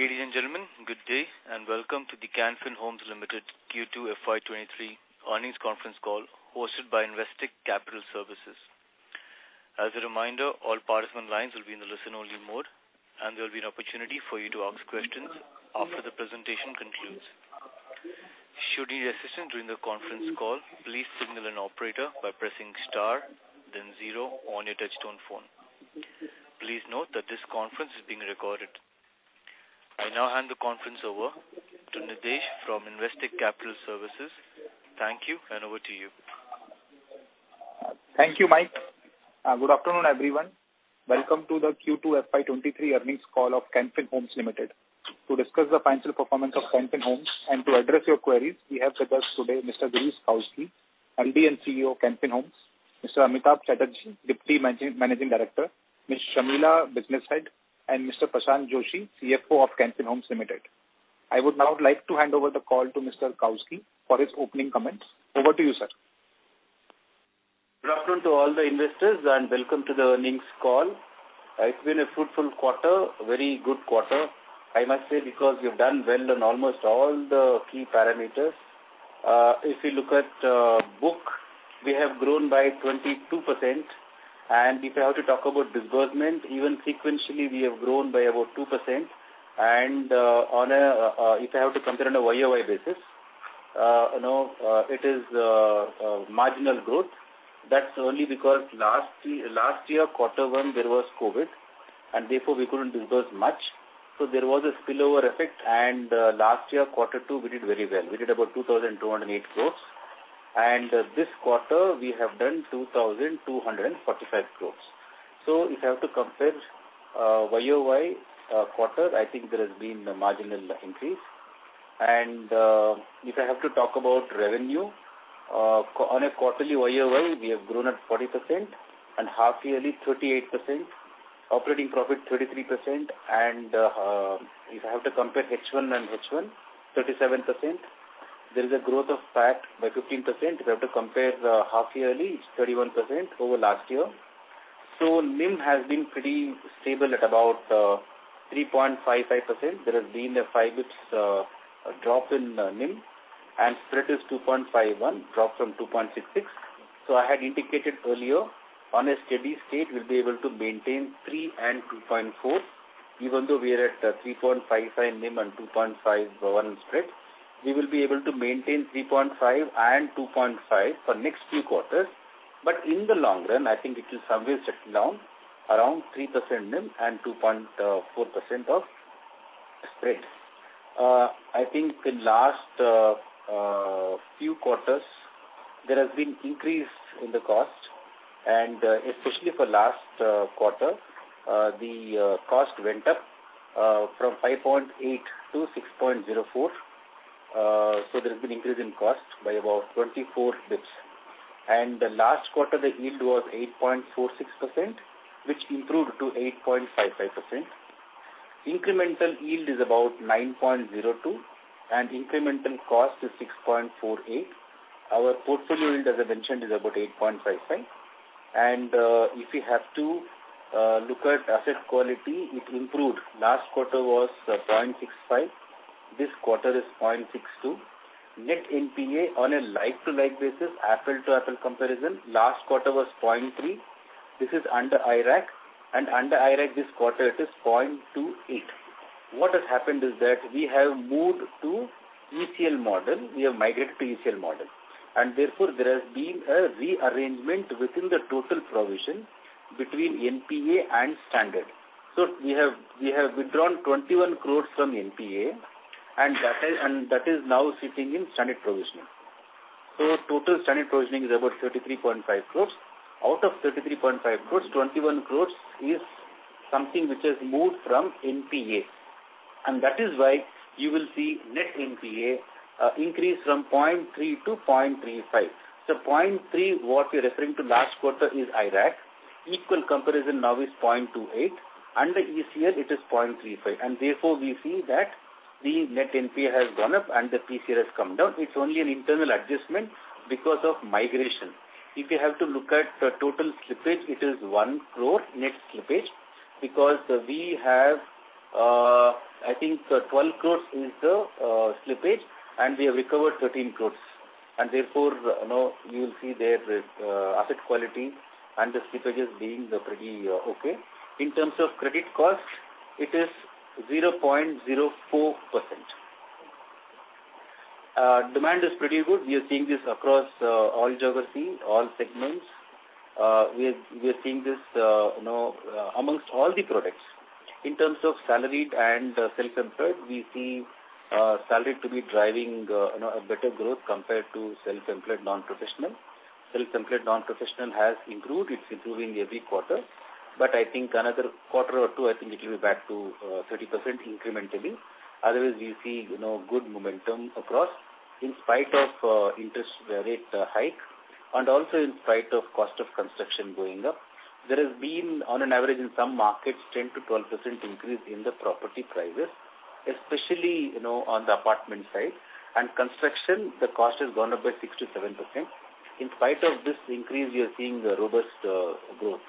Ladies and gentlemen, good day and welcome to the Can Fin Homes Limited Q2 FY23 earnings conference call hosted by Investec Capital Services. As a reminder, all participants' lines will be in the listen-only mode, and there will be an opportunity for you to ask questions after the presentation concludes. Should you need assistance during the conference call, please signal an operator by pressing star then zero on your touchtone phone. Please note that this conference is being recorded. I now hand the conference over to Nidhesh from Investec Capital Services. Thank you, and over to you. Thank you, Mike. Good afternoon, everyone. Welcome to the Q2 FY23 earnings call of Can Fin Homes Limited. To discuss the financial performance of Can Fin Homes and to address your queries, we have with us today Mr. Girish Kousgi, MD and CEO of Can Fin Homes, Mr. Amitabh Chatterjee, Deputy Managing Director, Ms. Shamila, Business Head, and Mr. Prashanth Joishy, CFO of Can Fin Homes Limited. I would now like to hand over the call to Mr. Kousgi for his opening comments. Over to you, sir. Good afternoon to all the investors, and welcome to the earnings call. It's been a fruitful quarter, a very good quarter, I must say, because we've done well on almost all the key parameters. If you look at book, we have grown by 22%. If you have to talk about disbursement, even sequentially, we have grown by about 2%. If you have to compare on a YOY basis, you know, it is marginal growth. That's only because last year, quarter one, there was COVID, and therefore we couldn't disburse much. There was a spillover effect. Last year, quarter two, we did very well. We did about 2,208 crores. This quarter we have done 2,245 crores. If you have to compare YOY quarter, I think there has been a marginal increase. If I have to talk about revenue on a quarterly YOY, we have grown at 40% and half-yearly 38%, operating profit 33%. If I have to compare H1 and H1, 37%. There is a growth of PAT by 15%. If I have to compare the half-yearly, it's 31% over last year. NIM has been pretty stable at about 3.55%. There has been a five basis points drop in NIM, and spread is 2.51, dropped from 2.66. I had indicated earlier, on a steady state we'll be able to maintain 3 and 2.4. Even though we are at 3.55% NIM and 2.51% spread, we will be able to maintain 3.5% and 2.5% for next few quarters. In the long run, I think it will somewhere settle down around 3% NIM and 2.04% spread. I think in last few quarters, there has been increase in the cost, and especially for last quarter, the cost went up from 5.8%-6.04%. So there has been increase in cost by about 24 basis points. In the last quarter, the yield was 8.46%, which improved to 8.55%. Incremental yield is about 9.02%, and incremental cost is 6.48%. Our portfolio yield, as I mentioned, is about 8.55%. If you have to look at asset quality, it improved. Last quarter was 0.65%. This quarter is 0.62%. Net NPA on a like-for-like basis, apples-to-apples comparison, last quarter was 0.3%. This is under IRAC. Under IRAC this quarter it is 0.28%. What has happened is that we have moved to ECL model. We have migrated to ECL model, and therefore there has been a rearrangement within the total provision between NPA and standard. We have withdrawn 21 crores from NPA, and that is now sitting in standard provisioning. Total standard provisioning is about 33.5 crores. Out of 33.5 crores, 21 crores is something which has moved from NPA. That is why you will see net NPA increase from 0.3% to 0.35%. 0.3%, what we're referring to last quarter is IRAC. Equal comparison now is 0.28%. Under ECL it is 0.35%. Therefore we see that the net NPA has gone up and the PCR has come down. It's only an internal adjustment because of migration. If you have to look at the total slippage, it is 1 crore net slippage because we have, I think 12 crores is the slippage and we have recovered 13 crores. Therefore, you know, you will see there the asset quality and the slippage is being pretty okay. In terms of credit cost, it is 0.04%. Demand is pretty good. We are seeing this across all geography, all segments. We're seeing this, you know, amongst all the products. In terms of salaried and self-employed, we see salaried to be driving, you know, a better growth compared to self-employed non-professional. Self-employed non-professional has improved. It's improving every quarter. I think another quarter or two, I think it will be back to 30% incrementally. Otherwise, we see, you know, good momentum across in spite of interest rate hike and also in spite of cost of construction going up. There has been on an average in some markets 10%-12% increase in the property prices. Especially, you know, on the apartment side. Construction, the cost has gone up by 6%-7%. In spite of this increase, we are seeing a robust growth.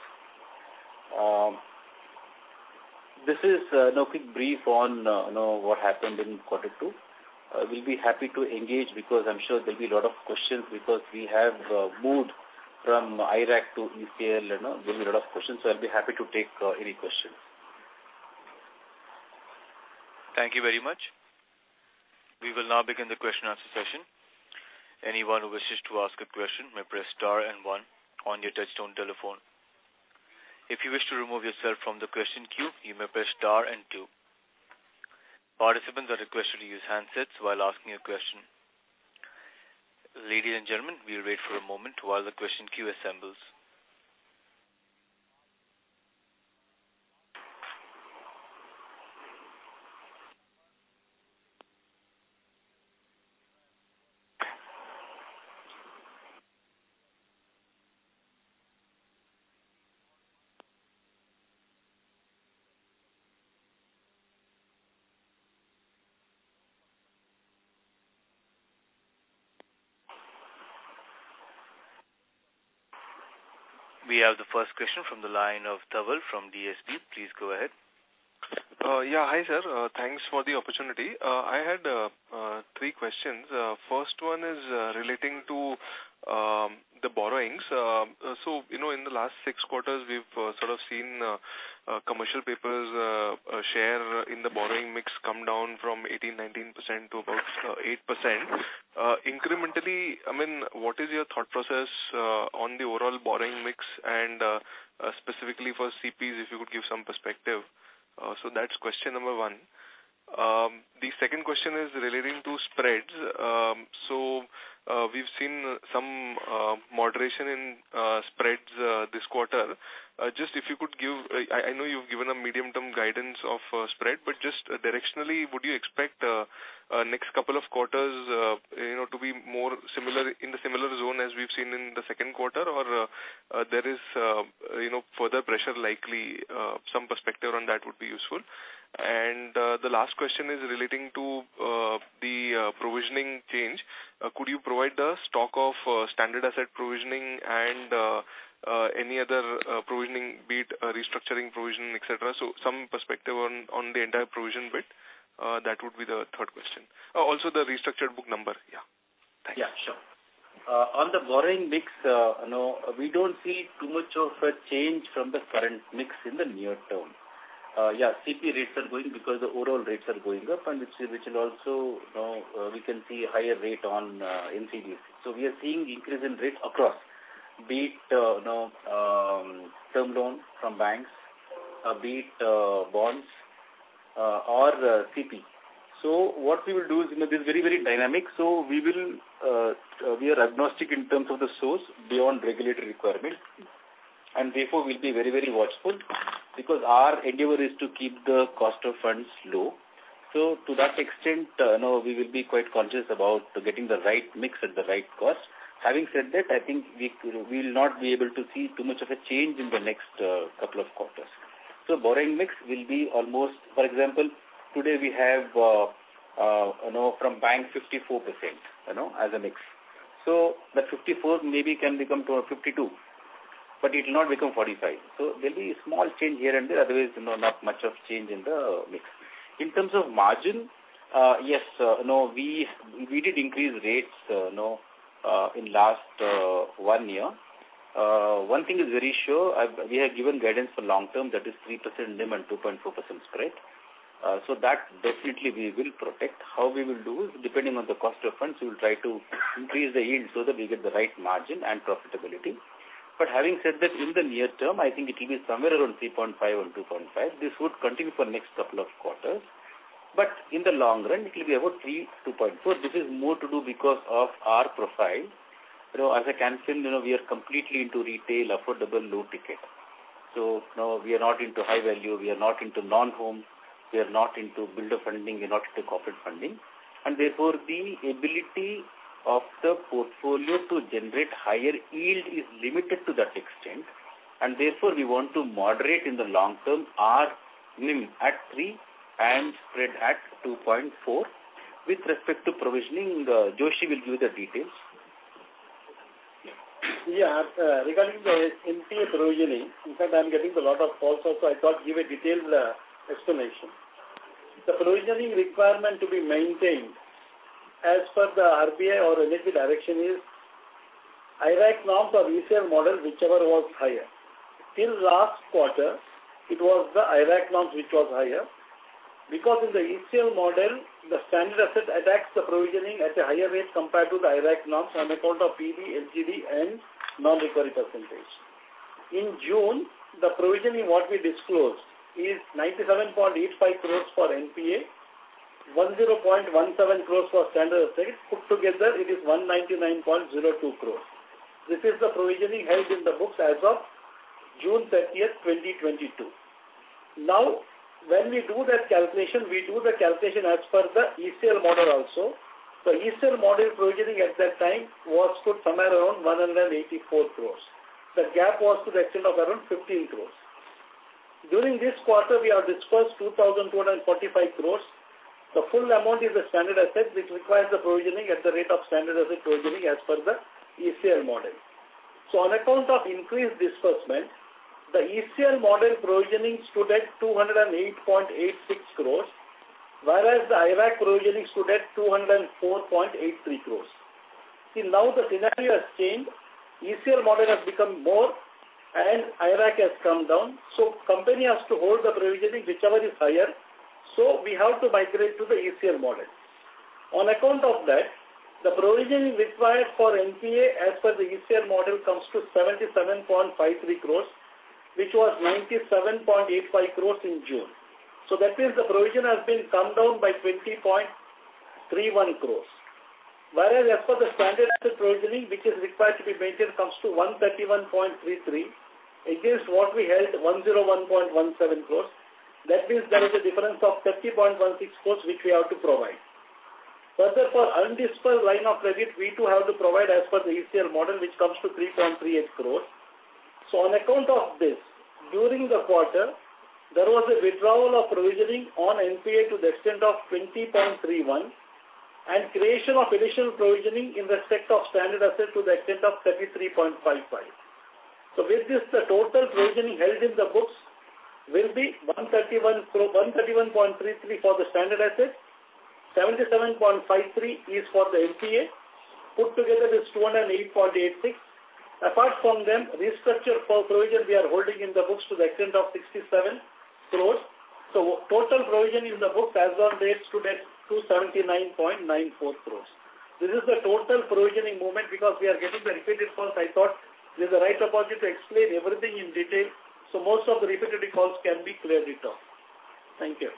This is a quick brief on, you know, what happened in quarter two. We'll be happy to engage because I'm sure there'll be a lot of questions because we have moved from IRAC to ECL, you know. There'll be a lot of questions, so I'll be happy to take any questions. Thank you very much. We will now begin the question answer session. Anyone who wishes to ask a question may press star and one on your touchtone telephone. If you wish to remove yourself from the question queue, you may press star and two. Participants are requested to use handsets while asking a question. Ladies and gentlemen, we'll wait for a moment while the question queue assembles. We have the first question from the line of Dhaval from DSP. Please go ahead. Yeah. Hi, sir. Thanks for the opportunity. I had three questions. First one is relating to the borrowings. You know, in the last six quarters, we've sort of seen commercial papers share in the borrowing mix come down from 18-19% to about 8%. Incrementally, I mean, what is your thought process on the overall borrowing mix and specifically for CPs, if you could give some perspective. That's question number one. The second question is relating to spreads. We've seen some moderation in spreads this quarter. Just if you could give. I know you've given a medium-term guidance of spread, but just directionally, would you expect next couple of quarters, you know, to be more similar, in the similar zone as we've seen in the second quarter? Or there is, you know, further pressure likely, some perspective on that would be useful. The last question is relating to the provisioning change. Could you provide the stock of standard asset provisioning and any other provisioning, be it a restructuring provision, et cetera. Some perspective on the entire provision bit, that would be the third question. Oh, also the restructured book number. Yeah. Thanks. Yeah, sure. On the borrowing mix, you know, we don't see too much of a change from the current mix in the near term. Yeah, CP rates are going because the overall rates are going up and which will also, you know, we can see higher rate on NCDs. So we are seeing increase in rates across, be it, you know, term loan from banks, be it bonds, or CP. So what we will do is, you know, this is very, very dynamic, so we are agnostic in terms of the source beyond regulatory requirement. Therefore, we'll be very, very watchful because our endeavor is to keep the cost of funds low. So to that extent, you know, we will be quite conscious about getting the right mix at the right cost. Having said that, I think we will not be able to see too much of a change in the next couple of quarters. Borrowing mix will be almost the same. For example, today we have from banks 54% as a mix. The 54% maybe can become 52%, but it'll not become 45%. There'll be a small change here and there. Otherwise, not much change in the mix. In terms of margin, yes, we did increase rates in last one year. One thing is very sure, we have given guidance for long-term, that is 3% NIM and 2.4% spread. That definitely we will protect. How we will do is depending on the cost of funds, we will try to increase the yield so that we get the right margin and profitability. Having said that, in the near term, I think it will be somewhere around 3.5% or 2.5%. This would continue for next couple of quarters. In the long run, it will be about 3%, 2.4%. This is more to do because of our profile. You know, as I can say, you know, we are completely into retail, affordable, low ticket. You know, we are not into high value, we are not into non-home, we are not into builder funding, we are not into corporate funding. Therefore, the ability of the portfolio to generate higher yield is limited to that extent. Therefore, we want to moderate in the long term our NIM at 3% and spread at 2.4%. With respect to provisioning, Joishy will give you the details. Yeah. Regarding the NPA provisioning, in fact, I'm getting a lot of calls also. I thought give a detailed explanation. The provisioning requirement to be maintained as per the RBI or NBFC direction is IRAC norms or ECL model, whichever was higher. Till last quarter, it was the IRAC norms which was higher. Because in the ECL model, the standard asset attracts the provisioning at a higher rate compared to the IRAC norms on account of PD, LGD and non-recovery percentage. In June, the provisioning what we disclosed is 97.85 crores for NPA, 10.17 crores for standard asset. Put together, it is 199.02 crores. This is the provisioning held in the books as of June 30, 2022. Now, when we do that calculation, we do the calculation as per the ECL model also. The ECL model provisioning at that time was put somewhere around 184 crores. The gap was to the extent of around 15 crores. During this quarter, we have disbursed 2,245 crores. The full amount is a standard asset which requires the provisioning at the rate of standard asset provisioning as per the ECL model. On account of increased disbursement, the ECL model provisioning stood at 208.86 crores, whereas the IRAC provisioning stood at 204.83 crores. See, now the scenario has changed. ECL model has become more and IRAC has come down. Company has to hold the provisioning whichever is higher. We have to migrate to the ECL model. On account of that, the provisioning required for NPA as per the ECL model comes to 77.53 crores, which was 97.85 crores in June. That means the provision has been come down by 20.31 crores. Whereas as per the standard asset provisioning, which is required to be maintained comes to 131.33 against what we held, 101.17 crores. That means there is a difference of 30.16 crores which we have to provide. Further, for undispersed line of credit, we too have to provide as per the ECL model, which comes to 3.38 crores. On account of this, during the quarter, there was a withdrawal of provisioning on NPA to the extent of 20.31 and creation of additional provisioning in the set of standard assets to the extent of 33.55. With this, the total provisioning held in the books will be 131.33 for the standard assets, 77.53 is for the NPA. Put together is 208.86. Apart from them, restructure for provision we are holding in the books to the extent of 67 crores. Total provision in the book as on date stood at 239.94 crores. This is the total provisioning movement because we are getting the repeated calls. I thought this is the right opportunity to explain everything in detail, so most of the repetitive calls can be cleared it off. Thank you.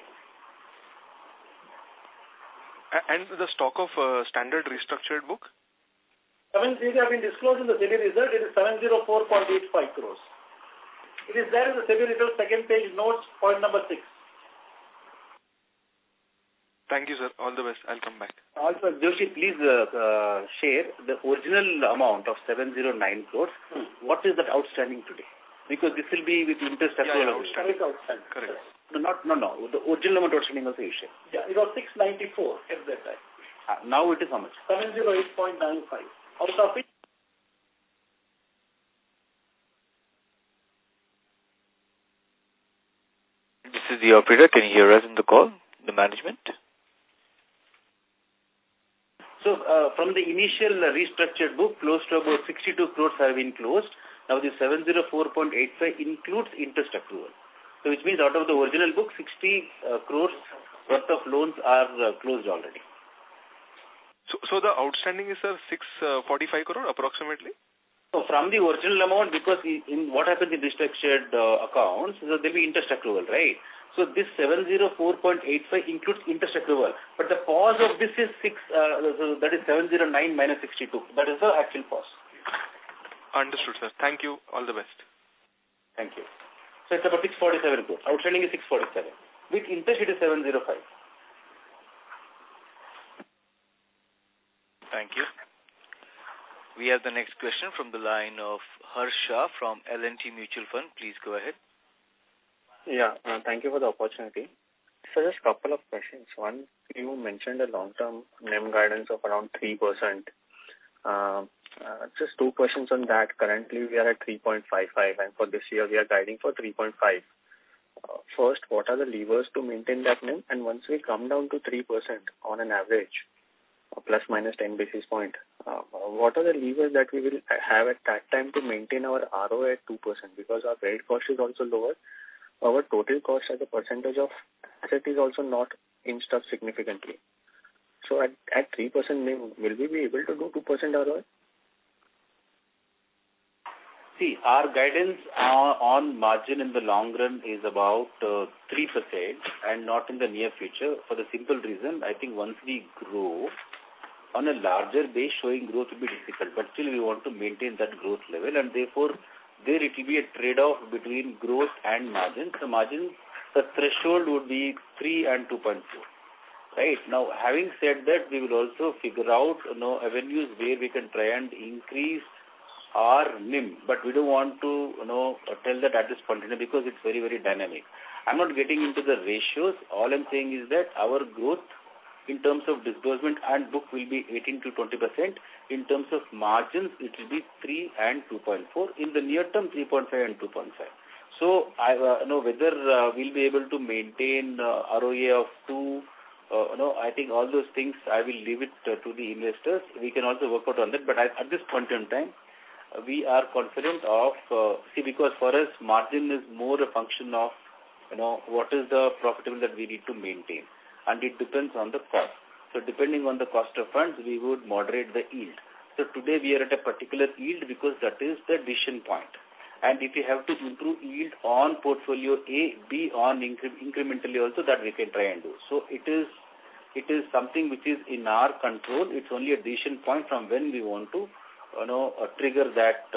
The stock of standard restructured book? Seven. These have been disclosed in the semi-annual results. It is 704.85 crore. It is there in the semi-annual results second page notes, point number six. Thank you, sir. All the best. I'll come back. Joishy, please, share the original amount of 709 crore. What is that outstanding today? Because this will be with interest as well as outstanding. Yeah. Outstanding, outstanding. Correct. No, the original amount outstanding of the issue. Yeah. It was 694 at that time. Now it is how much? 708.95. Out of it. This is the operator. Can you hear us in the call, the management? From the initial restructured book, close to about 62 crores have been closed. Now, the 704.85 includes interest accrual. Which means out of the original book, 60 crores worth of loans are closed already. The outstanding is 645 crore approximately? From the original amount, because in what happened in restructured accounts, there will be interest accrual, right? This 704.85 includes interest accrual. The gross of this is 647, that is 709 minus 62. That is the actual gross. Understood, sir. Thank you. All the best. Thank you. It's about 647 crores. Outstanding is 647. With interest, it is 705. Thank you. We have the next question from the line of Harsh Shah from L&T Mutual Fund. Please go ahead. Yeah. Thank you for the opportunity. Just couple of questions. One, you mentioned a long-term NIM guidance of around 3%. Just two questions on that. Currently, we are at 3.55%, and for this year we are guiding for 3.5%. First, what are the levers to maintain that NIM? And once we come down to 3% on an average of ±10 basis points, what are the levers that we will have at that time to maintain our ROA at 2%? Because our rate cost is also lower. Our total cost as a percentage of asset is also not in step significantly. At 3% NIM, will we be able to do 2% ROA? See, our guidance on margin in the long run is about 3%, and not in the near future for the simple reason, I think once we grow on a larger base, showing growth will be difficult. But still we want to maintain that growth level and therefore there it will be a trade-off between growth and margins. The margins, the threshold would be 3% and 2.4%. Right? Now, having said that, we will also figure out, you know, avenues where we can try and increase our NIM, but we don't want to, you know, tell that at this point in time because it's very, very dynamic. I'm not getting into the ratios. All I'm saying is that our growth in terms of disbursement and book will be 18%-20%. In terms of margins, it will be 3% and 2.4%. In the near term, 3.5% and 2.5%. I, you know, whether we'll be able to maintain ROA of 2%, you know. I think all those things I will leave it to the investors. We can also work out on that. At this point in time, we are confident of. See, because for us margin is more a function of, you know, what is the profitability that we need to maintain, and it depends on the cost. Depending on the cost of funds, we would moderate the yield. Today we are at a particular yield because that is the decision point. If we have to improve yield on portfolio A, B incrementally also that we can try and do. It is something which is in our control. It's only a decision point from when we want to, you know, trigger that.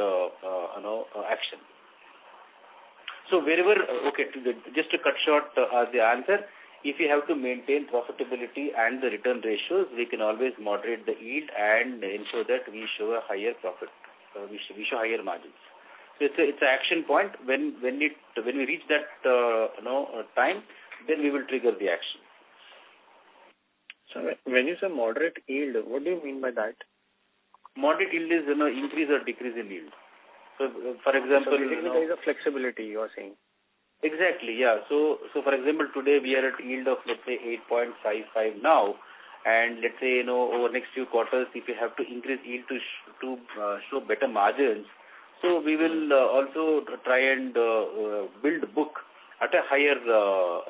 Okay, just to cut short the answer, if you have to maintain profitability and the return ratios, we can always moderate the yield and ensure that we show a higher profit, we show higher margins. It's an action point when we reach that, you know, time, then we will trigger the action. When you say moderate yield, what do you mean by that? Moderate yield is, you know, increase or decrease in yield. For example, you know- There is a flexibility you are saying. Exactly, yeah. For example, today we are at yield of let's say 8.55% now. Let's say, you know, over next few quarters if you have to increase yield to show better margins. We will also try and build book at a higher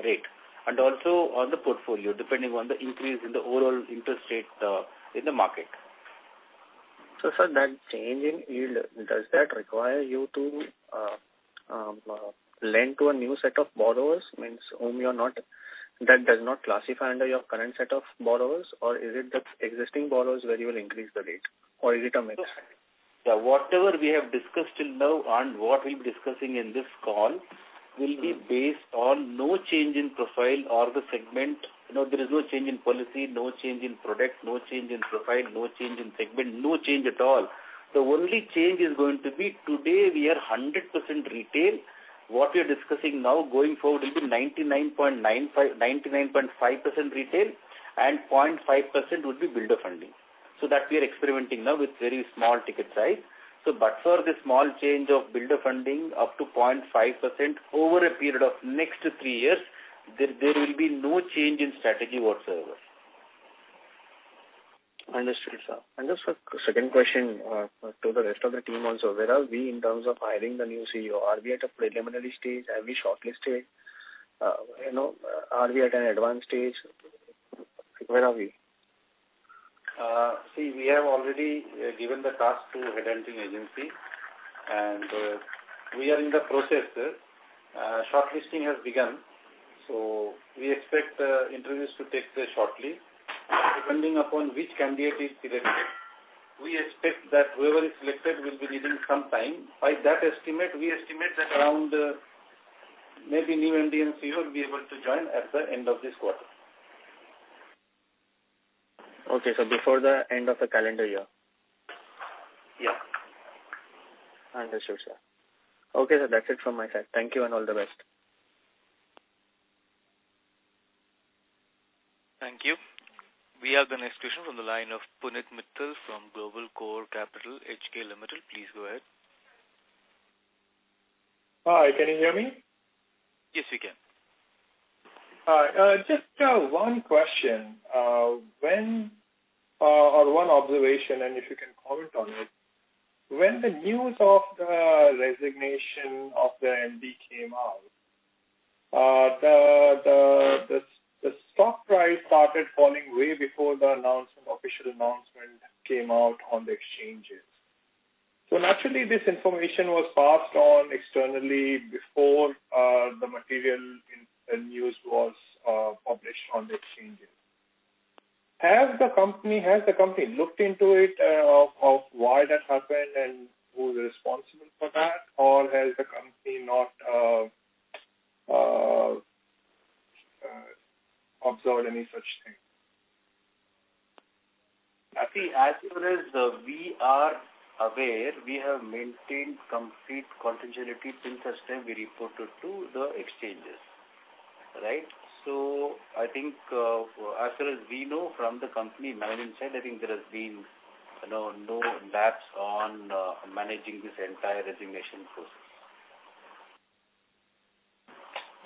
rate and also on the portfolio, depending on the increase in the overall interest rate in the market. Sir, that change in yield, does that require you to lend to a new set of borrowers that does not classify under your current set of borrowers? Or is it the existing borrowers where you will increase the rate? Or is it a mix? Yeah. Whatever we have discussed till now and what we'll be discussing in this call will be based on no change in profile or the segment. You know, there is no change in policy, no change in product, no change in profile, no change in segment, no change at all. The only change is going to be today we are 100% retail. What we are discussing now going forward will be 99.95%, 99.5% retail and 0.5% will be builder funding. That we are experimenting now with very small ticket size. But for the small change of builder funding up to 0.5% over a period of next three years, there will be no change in strategy whatsoever. Understood, sir. Just a second question to the rest of the team also. Where are we in terms of hiring the new CEO? Are we at a preliminary stage? Have we shortlisted? You know, are we at an advanced stage? Where are we? See, we have already given the task to a headhunting agency and we are in the process. Shortlisting has begun, so we expect interviews to take place shortly. Depending upon which candidate is selected, we expect that whoever is selected will be needing some time. By that estimate, we estimate that around maybe new MD & CEO will be able to join at the end of this quarter. Okay. Before the end of the calendar year? Yeah. Understood, sir. Okay, that's it from my side. Thank you and all the best. Thank you. We have the next question from the line of Punit Mittal from Global Core Capital Limited. Please go ahead. Hi, can you hear me? Yes, we can. All right. Just one question or one observation and if you can comment on it. When the news of the resignation of the MD came out, the stock price started falling way before the official announcement came out on the exchanges. Naturally this information was passed on externally before the material in the news was published on the exchanges. Has the company looked into it of why that happened and who is responsible for that? Or has the company not observed any such thing? Now see, as far as we are aware, we have maintained complete confidentiality till such time we reported to the exchanges. Right? I think, as far as we know from the company management side, I think there has been, you know, no lapse on managing this entire resignation process.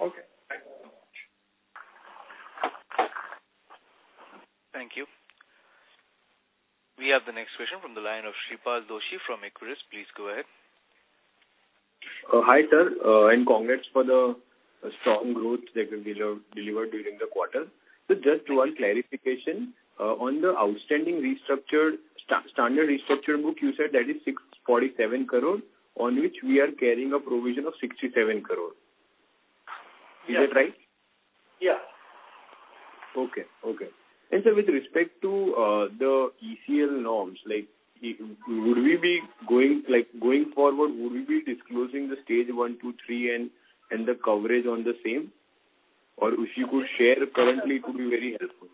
Okay. Thank you very much. Thank you. We have the next question from the line of Shreepal Doshi from Equirus. Please go ahead. Hi, sir. Congrats for the strong growth that you delivered during the quarter. Just one clarification. On the outstanding restructured standard restructuring book, you said that is 647 crore on which we are carrying a provision of 67 crore. Is that right? Yeah. Okay. Sir, with respect to the ECL norms, like would we be going, like going forward, would we be disclosing the stage one, two, three and the coverage on the same? Or if you could share currently, it would be very helpful.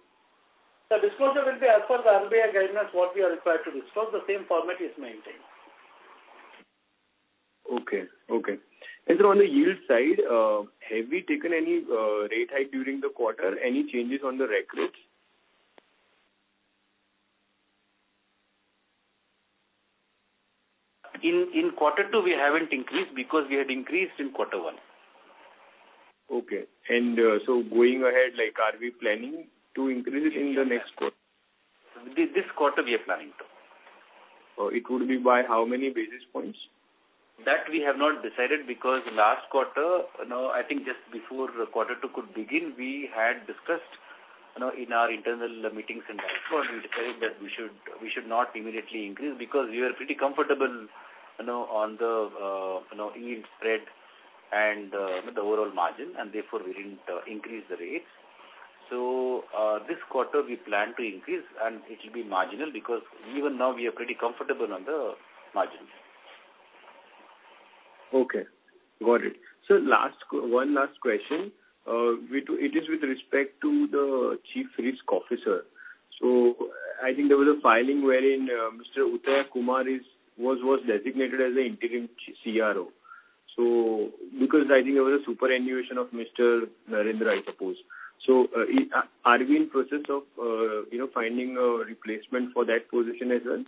The disclosure will be as per the RBI guidance, what we are required to disclose. The same format is maintained. Okay. Sir, on the yield side, have we taken any rate hike during the quarter? Any changes on the repo rates? In quarter two we haven't increased because we had increased in quarter one. Okay. Going ahead like are we planning to increase it in the next quarter? This quarter we are planning to. It would be by how many basis points? That we have not decided because last quarter, you know, I think just before quarter two could begin, we had discussed, you know, in our internal meetings and like so and we decided that we should not immediately increase because we are pretty comfortable, you know, on the yield spread and with the overall margin and therefore we didn't increase the rates. This quarter we plan to increase and it will be marginal because even now we are pretty comfortable on the margins. Okay, got it. One last question. It is with respect to the Chief Risk Officer. I think there was a filing wherein Mr. Uthaya Kumar was designated as the interim CRO. Because I think there was a superannuation of Mr. Narendra, I suppose. Are we in process of you know, finding a replacement for that position as well?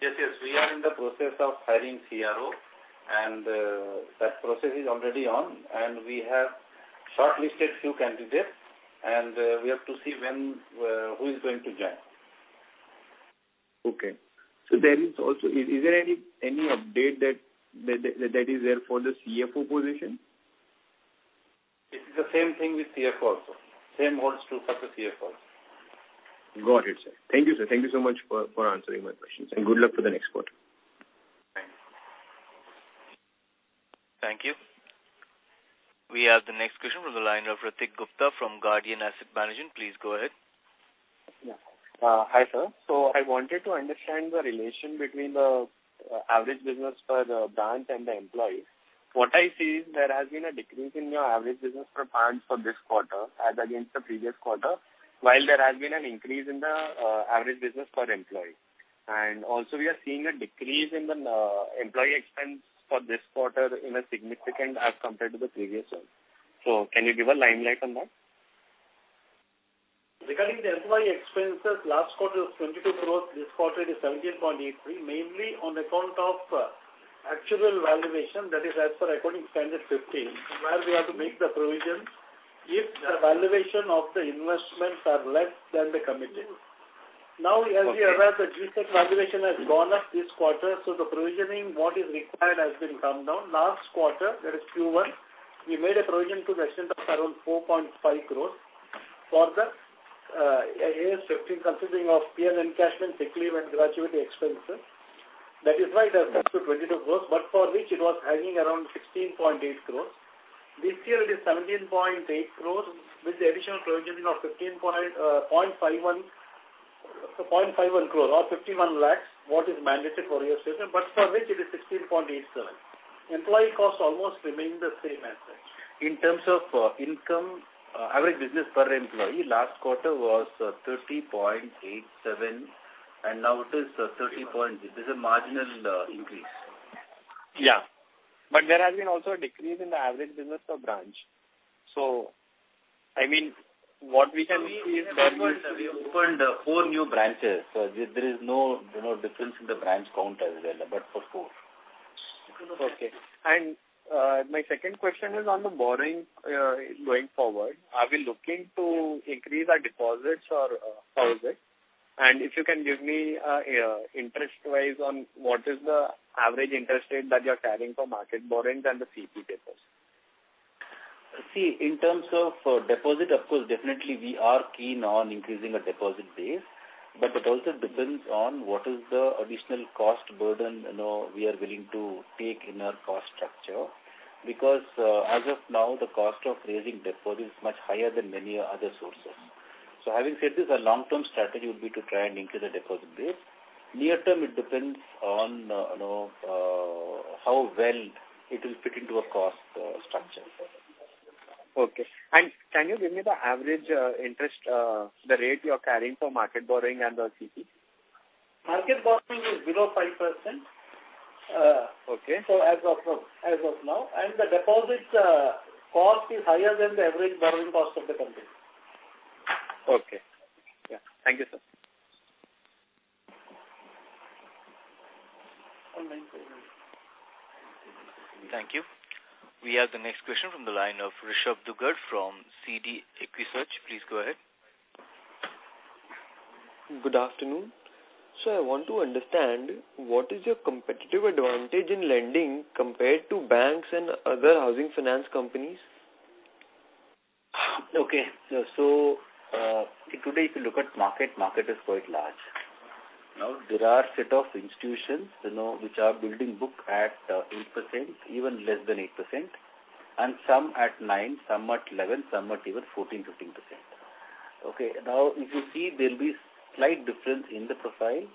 Yes, yes. We are in the process of hiring CRO and that process is already on and we have shortlisted few candidates and we have to see when who is going to join. Is there any update that is there for the CFO position? It is the same thing with CFO also. Same holds true for the CFO. Got it, sir. Thank you, sir. Thank you so much for answering my questions and good luck for the next quarter. Thanks. Thank you. We have the next question from the line of Ratik Gupta from Guardian Asset Management. Please go ahead. Yeah. Hi, sir. I wanted to understand the relation between the average business per the branch and the employees. What I see is there has been a decrease in your average business per branch for this quarter as against the previous quarter, while there has been an increase in the average business per employee. Also we are seeing a decrease in the employee expense for this quarter in a significant as compared to the previous one. Can you give a limelight on that? Regarding the employee expenses, last quarter was 22 crore, this quarter is 17.83 crore, mainly on account of actual valuation, that is as per Accounting Standard 15, where we have to make the provisions if the valuation of the investments are less than the committed. Now, as we are aware, the GSEC valuation has gone up this quarter, so the provisioning what is required has been come down. Last quarter, that is Q1, we made a provision to the extent of around 4.5 crore for the AS 15 consisting of PN encashment, sick leave and gratuity expenses. That is why it has come to 22 crore, but for which it was hanging around 16.8 crore. This year it is 17.8 crore with the additional provisioning of 15.51, so 0.51 crore or 51 lakh, which is mentioned in your statement, but for which it is 16.87. Employee costs almost remain the same as such. In terms of income, average business per employee, last quarter was 30.87 and now it is 30. This is a marginal increase. Yeah. But there has been also a decrease in the average business per branch. I mean what we can see is that. We opened four new branches. There is no, you know, difference in the branch count as well, but for four. Okay. My second question is on the borrowing going forward. Are we looking to increase our deposits or how is it? If you can give me interest-wise on what is the average interest rate that you are carrying for market borrowings and the CP deposits. See, in terms of deposit, of course, definitely we are keen on increasing our deposit base. It also depends on what is the additional cost burden, you know, we are willing to take in our cost structure. As of now, the cost of raising deposit is much higher than many other sources. Having said this, our long-term strategy would be to try and increase the deposit base. Near term, it depends on, you know, how well it will fit into our cost structure. Okay. Can you give me the average interest rate you are carrying for market borrowing and the CP? Market borrowing is below 5%. Okay. As of now, the deposit cost is higher than the average borrowing cost of the company. Okay. Yeah. Thank you, sir. Thank you. We have the next question from the line of Rishab Dugar from CD Equisearch. Please go ahead. Good afternoon. I want to understand what is your competitive advantage in lending compared to banks and other housing finance companies? Okay. Today if you look at market is quite large. Now, there are set of institutions, you know, which are building book at 8%, even less than 8%, and some at 9%, some at 11%, some at even 14%, 15%. Okay. Now, if you see there will be slight difference in the profile.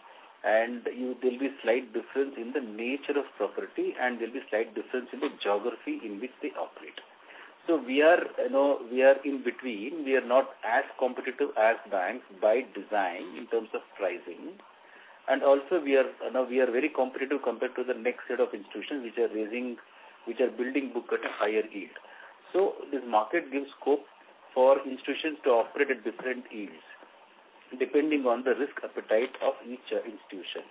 There will be slight difference in the nature of property and there will be slight difference in the geography in which they operate. We are, you know, in between. We are not as competitive as banks by design in terms of pricing. Also we are, you know, very competitive compared to the next set of institutions which are building book at a higher yield. This market gives scope for institutions to operate at different yields depending on the risk appetite of each, institution.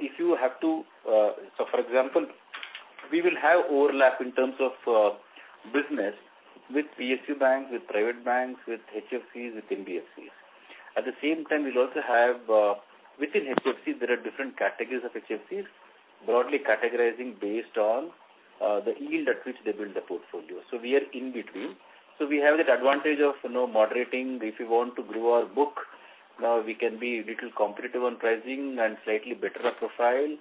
If you have to, for example, we will have overlap in terms of, business with PSU banks, with private banks, with HFCs, with NBFCs. At the same time, we'll also have, within HFCs, there are different categories of HFCs, broadly categorizing based on, the yield at which they build the portfolio. We are in between. We have that advantage of, you know, moderating if we want to grow our book. Now we can be a little competitive on pricing and slightly better our profile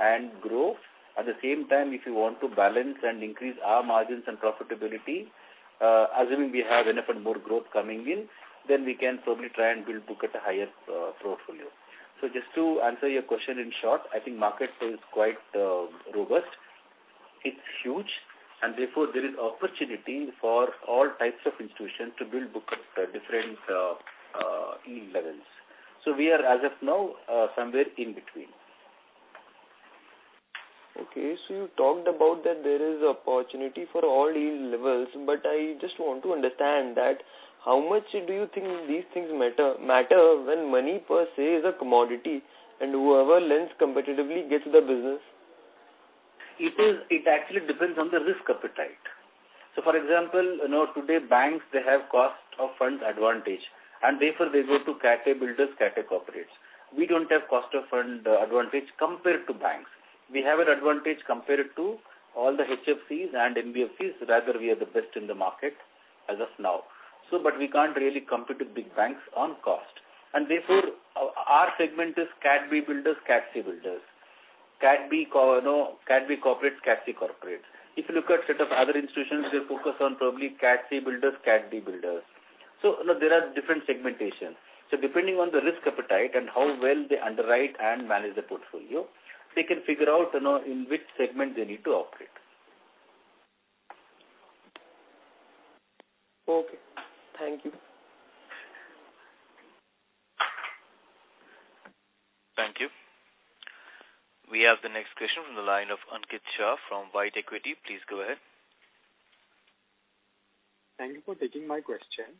and growth. At the same time, if you want to balance and increase our margins and profitability, assuming we have enough and more growth coming in, then we can probably try and build book at a higher portfolio. Just to answer your question in short, I think market is quite robust. It's huge, and therefore there is opportunity for all types of institutions to build book at different yield levels. We are as of now somewhere in between. Okay. You talked about that there is opportunity for all yield levels, but I just want to understand that how much do you think these things matter when money per se is a commodity and whoever lends competitively gets the business? It actually depends on the risk appetite. For example, you know, today banks they have cost of funds advantage and therefore they go to Cat A builders, Cat A corporates. We don't have cost of fund advantage compared to banks. We have an advantage compared to all the HFCs and NBFCs, rather we are the best in the market as of now. But we can't really compete with big banks on cost. And therefore our segment is Cat B builders, Cat C builders. You know, Cat B corporates, Cat C corporates. If you look at set of other institutions, they focus on probably Cat C builders, Cat D builders. You know, there are different segmentations. Depending on the risk appetite and how well they underwrite and manage the portfolio, they can figure out, you know, in which segment they need to operate. Okay. Thank you. Thank you. We have the next question from the line of Ankit Shah from White Equity. Please go ahead. Thank you for taking my question.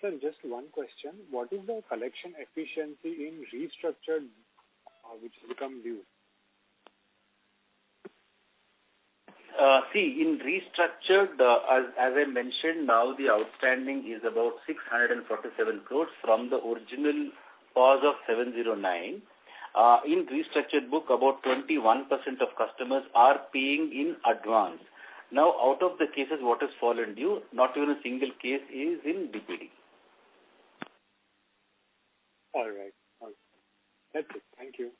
Sir, just one question. What is the collection efficiency in restructured, which become due? See, in restructured, as I mentioned, now the outstanding is about 647 crores from the original pool of 709. In restructured book, about 21% of customers are paying in advance. Now, out of the cases, what has fallen due, not even a single case is in between. All right. That's it. Thank you.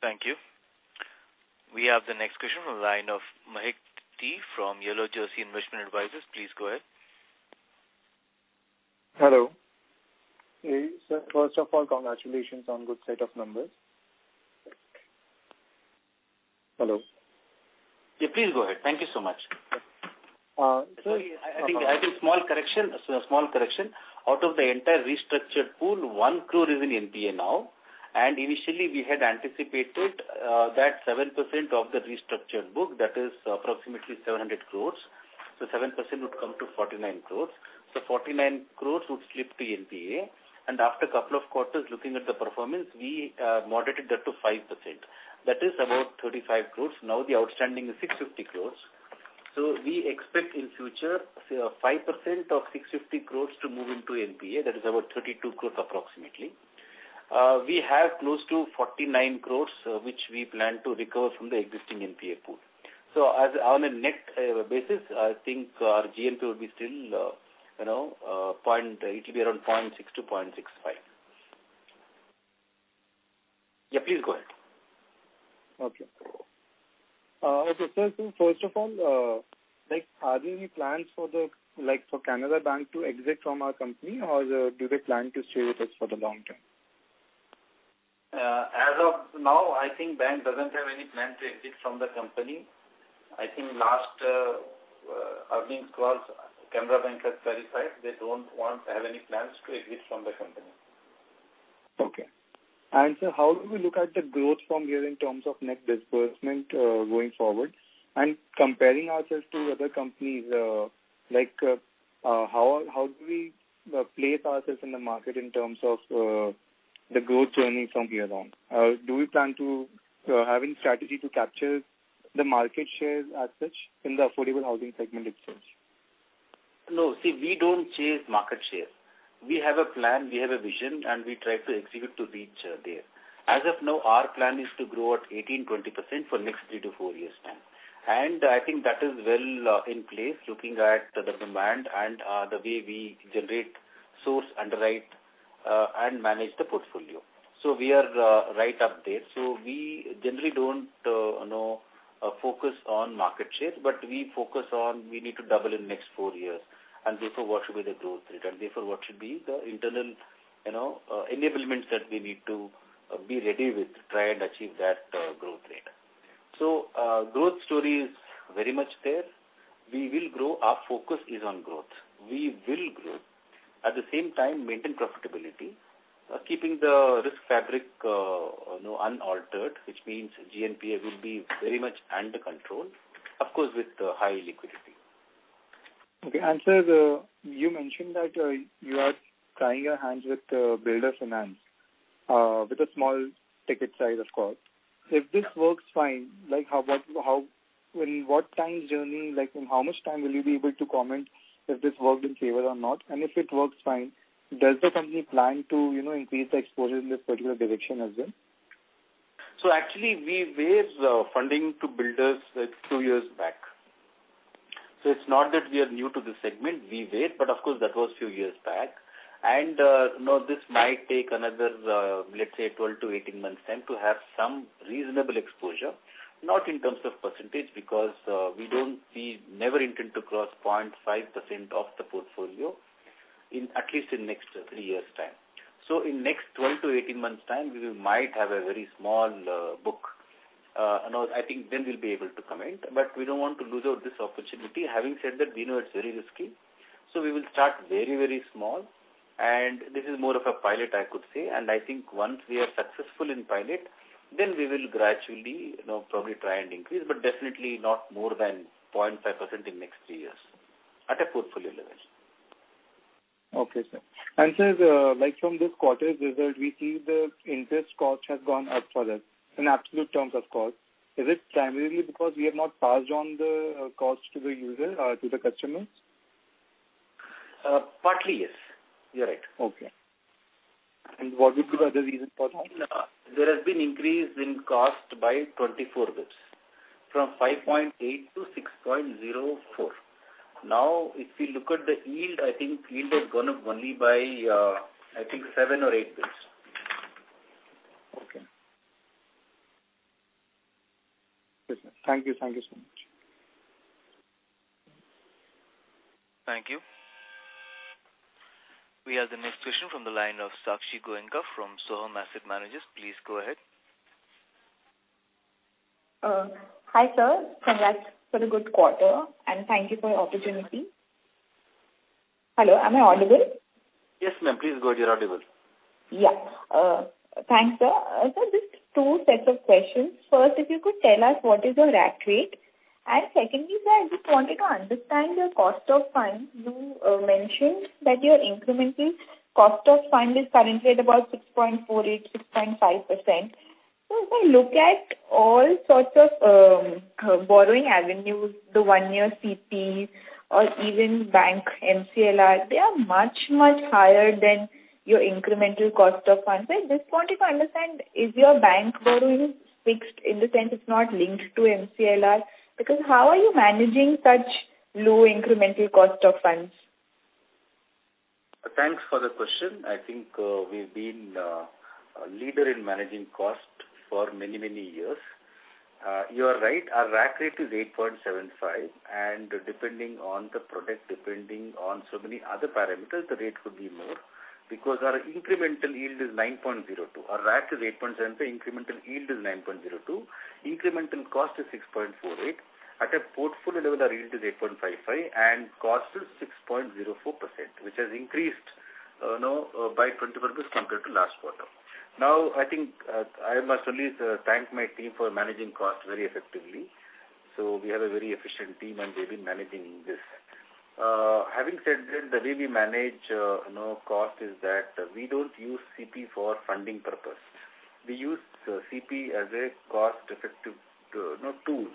Thank you. We have the next question from the line of Mahek Talati from YellowJersey Investment Advisors. Please go ahead. Hello. Hey, sir, first of all, congratulations on good set of numbers. Hello? Yeah, please go ahead. Thank you so much. Uh, so- I think small correction. Out of the entire restructured pool, 1 crore is in NPA now. Initially we had anticipated that 7% of the restructured book that is approximately 700 crores. 7% would come to 49 crores. 49 crores would slip to NPA. After a couple of quarters looking at the performance, we moderated that to 5%. That is about 35 crores. Now the outstanding is 650 crores. We expect in future, say, 5% of 650 crores to move into NPA. That is about 32 crores approximately. We have close to 49 crores, which we plan to recover from the existing NPA pool. As on a net basis, I think our GNPA will still be, you know, around 0.6%-0.65%. Yeah, please go ahead. Okay. First of all, like are there any plans for the, like for Canara Bank to exit from our company or do they plan to stay with us for the long term? As of now, I think bank doesn't have any plan to exit from the company. I think last earnings calls, Canara Bank has clarified they don't want to have any plans to exit from the company. Okay. How do we look at the growth from here in terms of net disbursement going forward? Comparing ourselves to other companies, like, how do we place ourselves in the market in terms of the growth journey from here on? Do we plan to having strategy to capture the market shares as such in the affordable housing segment itself? No. See, we don't chase market shares. We have a plan, we have a vision, and we try to execute to reach there. As of now, our plan is to grow at 18%-20% for next 3-4 years time. I think that is well, in place looking at the demand and, the way we generate source, underwrite, and manage the portfolio. We are, right up there. We generally don't, you know, focus on market shares, but we focus on we need to double in next 4 years and therefore what should be the growth rate and therefore what should be the internal, you know, enablements that we need to, be ready with to try and achieve that, growth rate. Growth story is very much there. We will grow. Our focus is on growth. We will grow. At the same time, maintain profitability, keeping the risk profile, you know, unaltered, which means GNPA will be very much under control, of course, with high liquidity. Okay. Sir, you mentioned that you are trying your hands with builder finance with a small ticket size, of course. If this works fine, like how in what timeframe will you be able to comment if this worked in favor or not? If it works fine, does the company plan to, you know, increase the exposure in this particular direction as well? Actually we raised funding to builders 2 years back. It's not that we are new to this segment. We were, but of course that was few years back. You know, this might take another, let's say, 12-18 months time to have some reasonable exposure, not in terms of percentage because we never intend to cross 0.5% of the portfolio in at least in next 3 years time. In next 12-18 months time, we might have a very small book. You know, I think then we'll be able to comment. We don't want to lose out on this opportunity. Having said that, we know it's very risky, so we will start very, very small. This is more of a pilot, I could say. I think once we are successful in pilot, then we will gradually, you know, probably try and increase. Definitely not more than 0.5% in next three years at a portfolio level. Okay, sir. Sir, like from this quarter's result, we see the interest cost has gone up for that in absolute terms, of course. Is it primarily because we have not passed on the cost to the user or to the customers? Partly, yes. You're right. Okay. What would be the other reason for that? There has been increase in cost by 24 basis from 5.8% to 6.04%. Now, if you look at the yield, I think yield has gone up only by, I think, 7 or 8 basis. Okay. Yes, thank you. Thank you so much. Thank you. We have the next question from the line of Sakshi Goenka from Sohum Asset Managers. Please go ahead. Hi, sir. Congrats for the good quarter, and thank you for the opportunity. Hello, am I audible? Yes, ma'am. Please go ahead. You're audible. Yeah. Thanks, sir. Sir, just two sets of questions. First, if you could tell us what is your rack rate? Secondly, sir, I just wanted to understand your cost of funds. You mentioned that your incremental cost of fund is currently at about 6.48%-6.5%. If I look at all sorts of borrowing avenues, the one-year CP or even bank MCLR, they are much, much higher than your incremental cost of funds. I just want to understand, is your bank borrowing fixed in the sense it's not linked to MCLR? Because how are you managing such low incremental cost of funds? Thanks for the question. I think we've been a leader in managing cost for many, many years. You are right. Our rack rate is 8.75%. Depending on the product, depending on so many other parameters, the rate could be more because our incremental yield is 9.02%. Our rack is 8.7%, so incremental yield is 9.02%. Incremental cost i s 6.48%. At a portfolio level, our yield is 8.55% and cost is 6.04%, which has increased, you know, by 20 basis points compared to last quarter. I think I must really thank my team for managing cost very effectively. We have a very efficient team, and they've been managing this. Having said that, the way we manage, you know, cost is that we don't use CP for funding purpose. We use CP as a cost-effective, you know, tool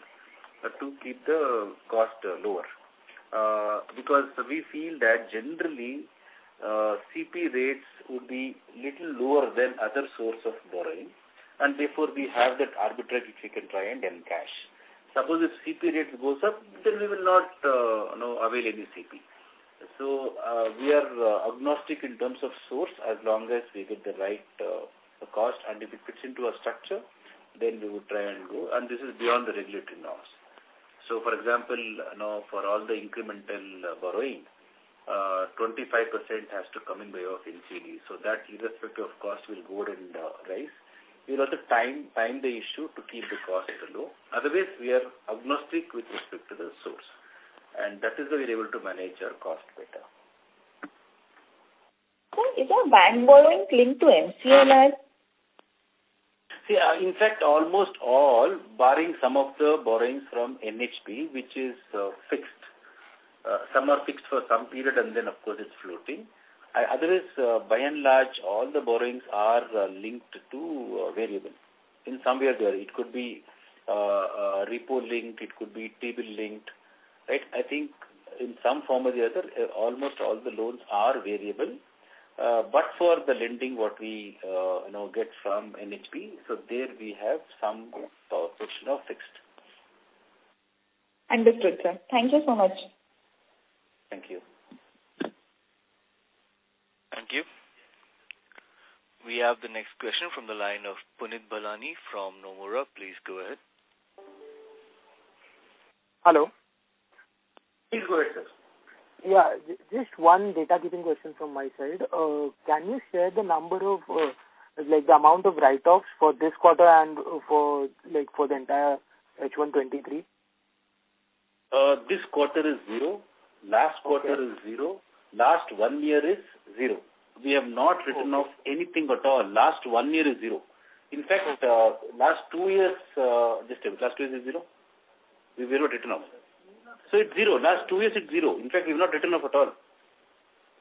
to keep the cost lower. Because we feel that generally, CP rates would be little lower than other source of borrowing, and therefore we have that arbitrage which we can try and then cash. Suppose if CP rates goes up, then we will not, you know, avail any CP. We are agnostic in terms of source as long as we get the right cost and if it fits into our structure, then we would try and go. This is beyond the regulatory norms. For example, you know, for all the incremental borrowing, 25% has to come in way of NCD. That irrespective of cost will go ahead and raise. We'll have to time the issue to keep the cost low. Otherwise, we are agnostic with respect to the source, and that is the way we're able to manage our cost better. Sir, is your bank borrowing linked to MCLR? See, in fact almost all barring some of the borrowings from NHB which is fixed. Some are fixed for some period and then of course it's floating. Otherwise, by and large, all the borrowings are linked to variable. In some way or the other. It could be repo linked, it could be T-bill linked, right? I think in some form or the other, almost all the loans are variable. But for the lending what we, you know, get from NHB, so there we have some portion of fixed. Understood, sir. Thank you so much. Thank you. Thank you. We have the next question from the line of Puneet Balana from Nomura. Please go ahead. Hello. Please go ahead, sir. Just one data-giving question from my side. Can you share the number of, like, the amount of write-offs for this quarter and for, like, for the entire H1 2023? This quarter is zero. Okay. Last quarter is zero. Last one year is zero. We have not written off anything at all. Last one year is zero. In fact, last two years. Just a minute. Last two years is zero. We've zero written off. So it's zero. Last two years, it's zero. In fact, we've not written off at all.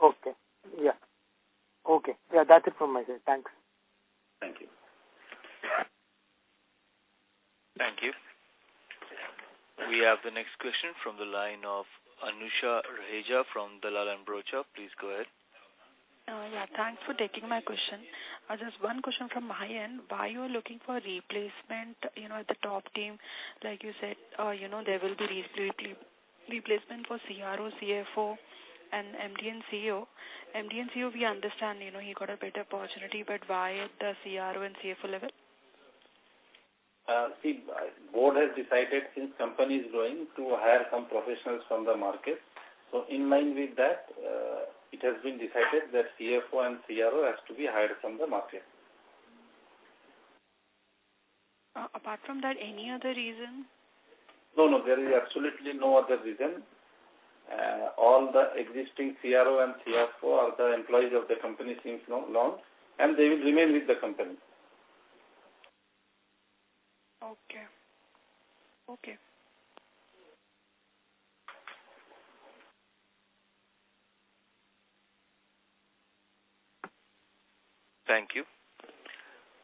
Okay. Yeah. Okay. Yeah, that's it from my side. Thanks. Thank you. Thank you. We have the next question from the line of Anusha Raheja from Dalal & Broacha. Please go ahead. Yeah, thanks for taking my question. Just one question from my end. Why you are looking for replacement, you know, at the top team? Like you said, you know, there will be replacement for CRO, CFO and MD & CEO. MD & CEO we understand, you know, he got a better opportunity but why at the CRO and CFO level? Board has decided since company is growing to hire some professionals from the market. In line with that, it has been decided that CFO and CRO has to be hired from the market. Apart from that, any other reason? No, no, there is absolutely no other reason. All the existing CRO and CFO are the employees of the company since launch, and they will remain with the company. Okay. Thank you.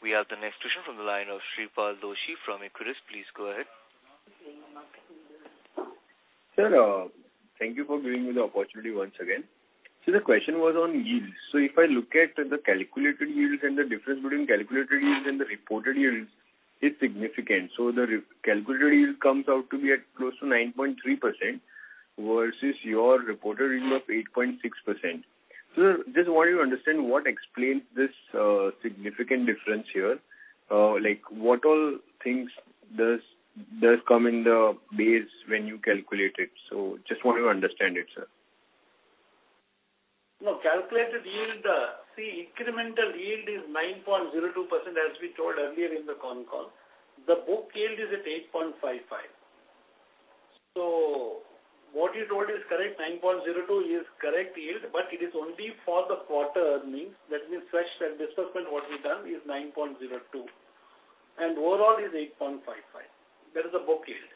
We have the next question from the line of Shreepal Doshi from Equirus. Please go ahead. Sir, thank you for giving me the opportunity once again. The question was on yields. If I look at the calculated yields and the difference between calculated yields and the reported yields is significant. The re-calculated yield comes out to be at close to 9.3% versus your reported yield of 8.6%. Just want to understand what explains this, significant difference here. Like, what all things does come in the base when you calculate it. Just want to understand it, sir. No, calculated yield. See, incremental yield is 9.02%, as we told earlier in the con call. The book yield is at 8.55%. What you told is correct, 9.02% is correct yield, but it is only for the quarter earnings. That means fresh disbursement what we've done is 9.02%, and overall is 8.55%. That is the book yield.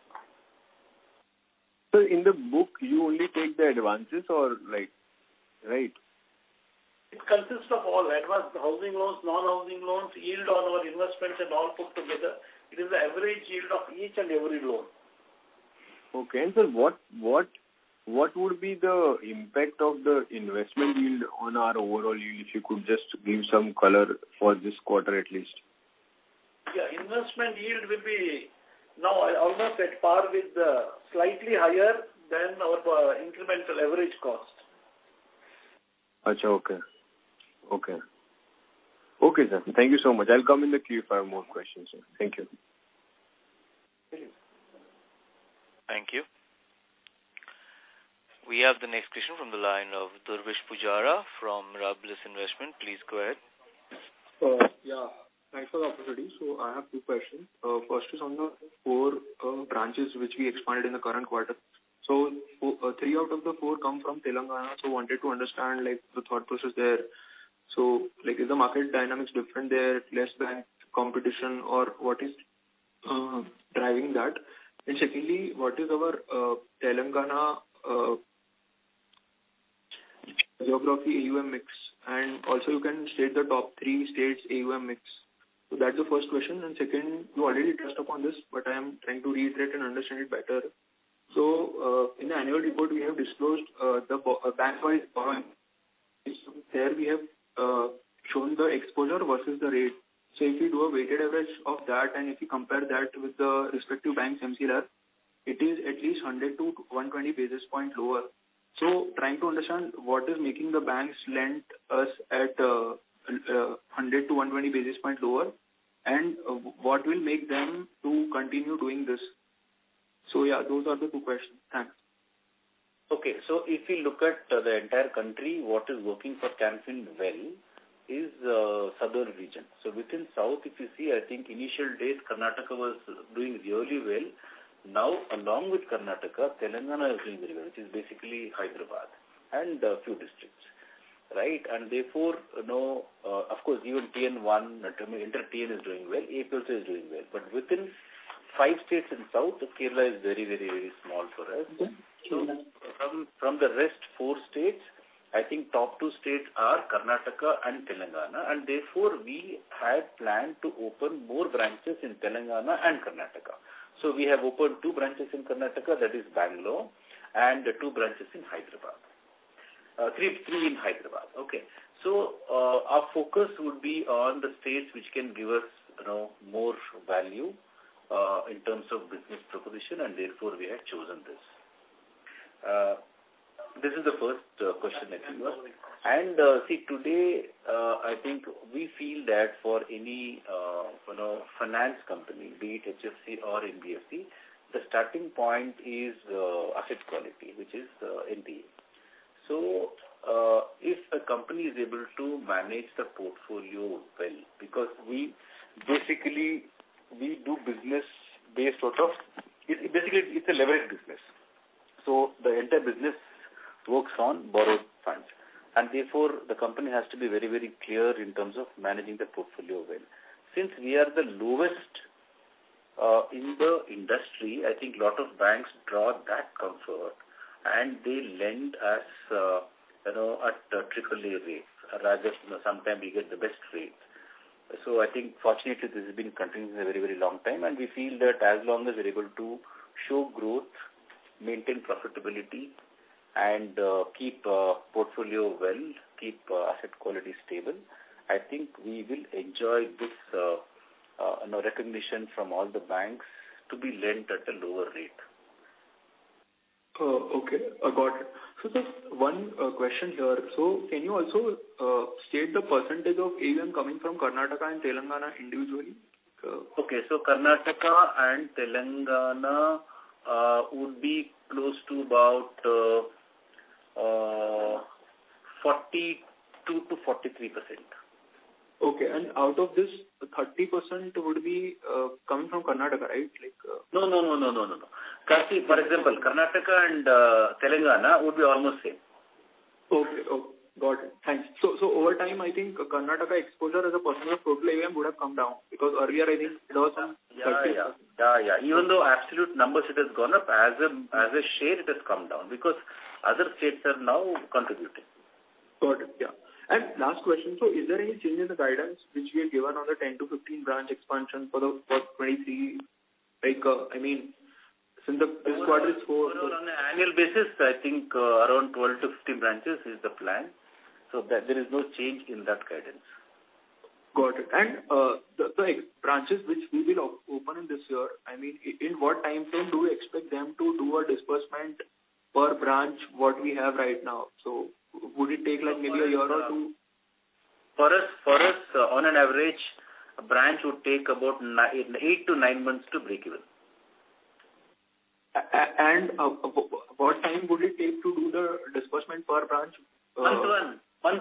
In the book you only take the advances or like, right? It consists of all advances, housing loans, non-housing loans, yield on our investments and all put together. It is the average yield of each and every loan. Okay. Sir, what would be the impact of the investment yield on our overall yield? If you could just give some color for this quarter at least. Yeah, investment yield will be now almost at par with the slightly higher than our incremental average cost. Okay, sir. Thank you so much. I'll come in the queue if I have more questions. Thank you. Thank you. We have the next question from the line of Dhruvish Pujara from Mirabilis Investment. Please go ahead. Yeah, thanks for the opportunity. I have two questions. First is on the four branches which we expanded in the current quarter. Three out of the four come from Telangana. Wanted to understand, like, the thought process there. Like, is the market dynamics different there? Less bank competition or what is driving that? And secondly, what is our Telangana geography AUM mix? And also you can state the top three states AUM mix. That's the first question. And second, you already touched upon this, but I am trying to reiterate and understand it better. In the annual report, we have disclosed the bankwise borrowing. There we have shown the exposure versus the rate. If you do a weighted average of that, and if you compare that with the respective bank's MCLR, it is at least 100 to 120 basis points lower. Trying to understand what is making the banks lend us at 100 basis points-120 basis points lower and what will make them continue doing this. Yeah, those are the two questions. Thanks. Okay. If you look at the entire country, what is working for Canfin well is Southern region. Within South, if you see, I think initial days Karnataka was doing really well. Now along with Karnataka, Telangana is doing very well, which is basically Hyderabad and a few districts, right? Therefore, you know, of course even T.N. too, I mean, entire T.N. is doing well. A.P. also is doing well. Within five states in South, Kerala is very, very, very small for us. Okay. From the rest four states, I think top two states are Karnataka and Telangana, and therefore we had planned to open more branches in Telangana and Karnataka. We have opened two branches in Karnataka, that is Bangalore and two branches in Hyderabad. Three in Hyderabad. Okay. Our focus would be on the states which can give us, you know, more value in terms of business proposition and therefore we have chosen this. This is the first question I think it was. See today, I think we feel that for any, you know, finance company, be it HFC or NBFC, the starting point is asset quality, which is NPA. If a company is able to manage the portfolio well, because we basically do business based out of... Basically it's a levered business, so the entire business works on borrowed funds and therefore the company has to be very, very clear in terms of managing the portfolio well. Since we are the lowest in the industry, I think lot of banks draw that comfort and they lend us, you know, at AAA rate rather, you know, sometimes we get the best rate. I think fortunately this has been continuing for a very, very long time, and we feel that as long as we're able to show growth, maintain profitability and keep portfolio well, keep asset quality stable, I think we will enjoy this, you know, recognition from all the banks to be lent at a lower rate. Okay. I got it. Just one question here. Can you also state the percentage of AUM coming from Karnataka and Telangana individually? Karnataka and Telangana would be close to about 42%-43%. Okay. Out of this, 30% would be coming from Karnataka, right? Like No, no, no, no, no. Because see, for example, Karnataka and Telangana would be almost same. Okay. Got it. Thanks. Over time, I think Karnataka exposure as a percentage of total AUM would have come down because earlier I think it was 50%. Yeah. Even though absolute numbers it has gone up, as a share it has come down because other states are now contributing. Got it. Yeah. Last question. Is there any change in the guidance which we have given on the 10-15 branch expansion for the fourth 2023? Like, I mean, since this quarter is for- No, no. On an annual basis, I think, around 12-15 branches is the plan. That there is no change in that guidance. Got it. The branches which we will open in this year, I mean, in what timeframe do we expect them to do a disbursement per branch what we have right now? Would it take like maybe a year or two? For us, on average, a branch would take about 8-9 months to break even. How what time would it take to d o the disbursement per branch? Month 1.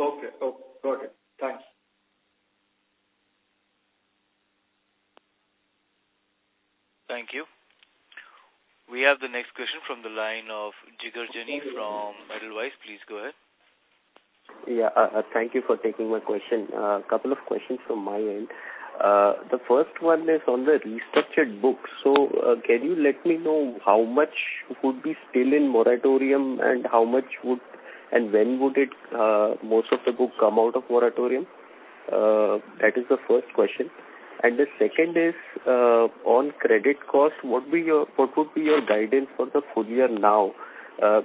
Okay. Got it. Thanks. Thank you. We have the next question from the line of Jigar Jani from Edelweiss. Please go ahead. Yeah. Thank you for taking my question. Couple of questions from my end. The first one is on the restructured books. Can you let me know how much would be still in moratorium and when would most of the book come out of moratorium? That is the first question. The second is on credit costs. What would be your guidance for the full year now?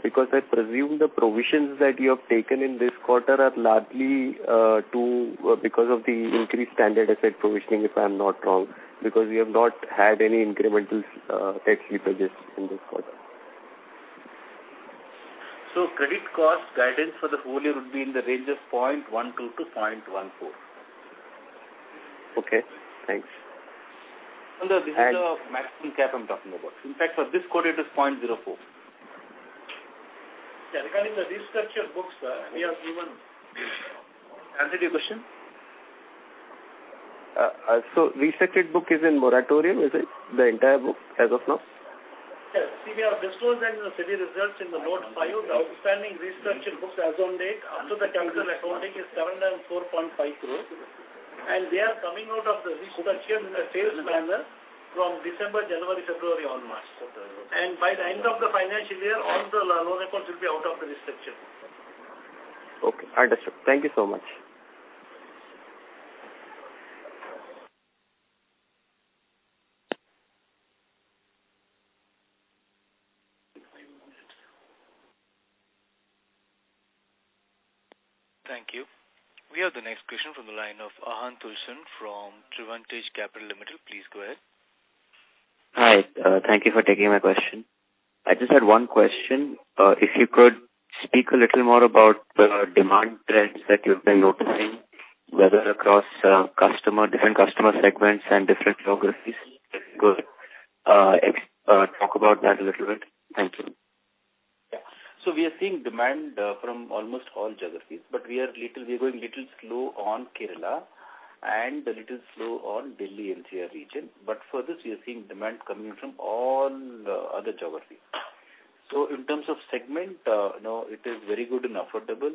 Because I presume the provisions that you have taken in this quarter are largely because of the increased standard asset provisioning, if I'm not wrong, because you have not had any incremental tech slippages in this quarter. Credit cost guidance for the full year would be in the range of 0.12%-0.14%. Okay, thanks. No, no. This is the maximum cap I'm talking about. In fact, for this quarter it is 0.04. Yeah. Regarding the restructured books, we have given. Answered your question? Restructured book is in moratorium, is it the entire book as of now? Yes. See, we have disclosed in the Q3 results in the Note 5. The outstanding restructured books as on date up to the current accounting is 74.5 crores. They are coming out of the restructure in a phased manner from December, January, February and March. By the end of the financial year, all the loan records will be out of the restructure. Okay. Understood. Thank you so much. Thank you. We have the next question from the line of Aahan Tulshan from Trivantage Capital Limited. Please go ahead. Hi. Thank you for taking my question. I just had one question. If you could speak a little more about the demand trends that you've been noticing, whether across different customer segments and different geographies. If you could talk about that a little bit. Thank you. Yeah. We are seeing demand from almost all geographies, but we are going little slow on Kerala and a little slow on Delhi NCR region. For this we are seeing demand coming from all the other geographies. In terms of segment, you know, it is very good in affordable,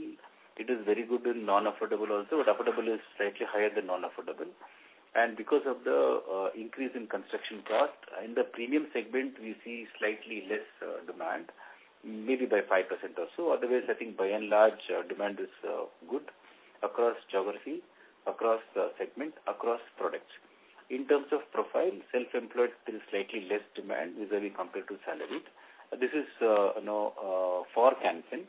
it is very good in non-affordable also, but affordable is slightly higher than non-affordable. And because of the increase in construction cost, in the premium segment we see slightly less demand, maybe by 5% or so. Otherwise, I think by and large, demand is good across geography, across segment, across products. In terms of profile, self-employed there is slightly less demand vis-a-vis compared to salaried. This is, you know, for Canfin.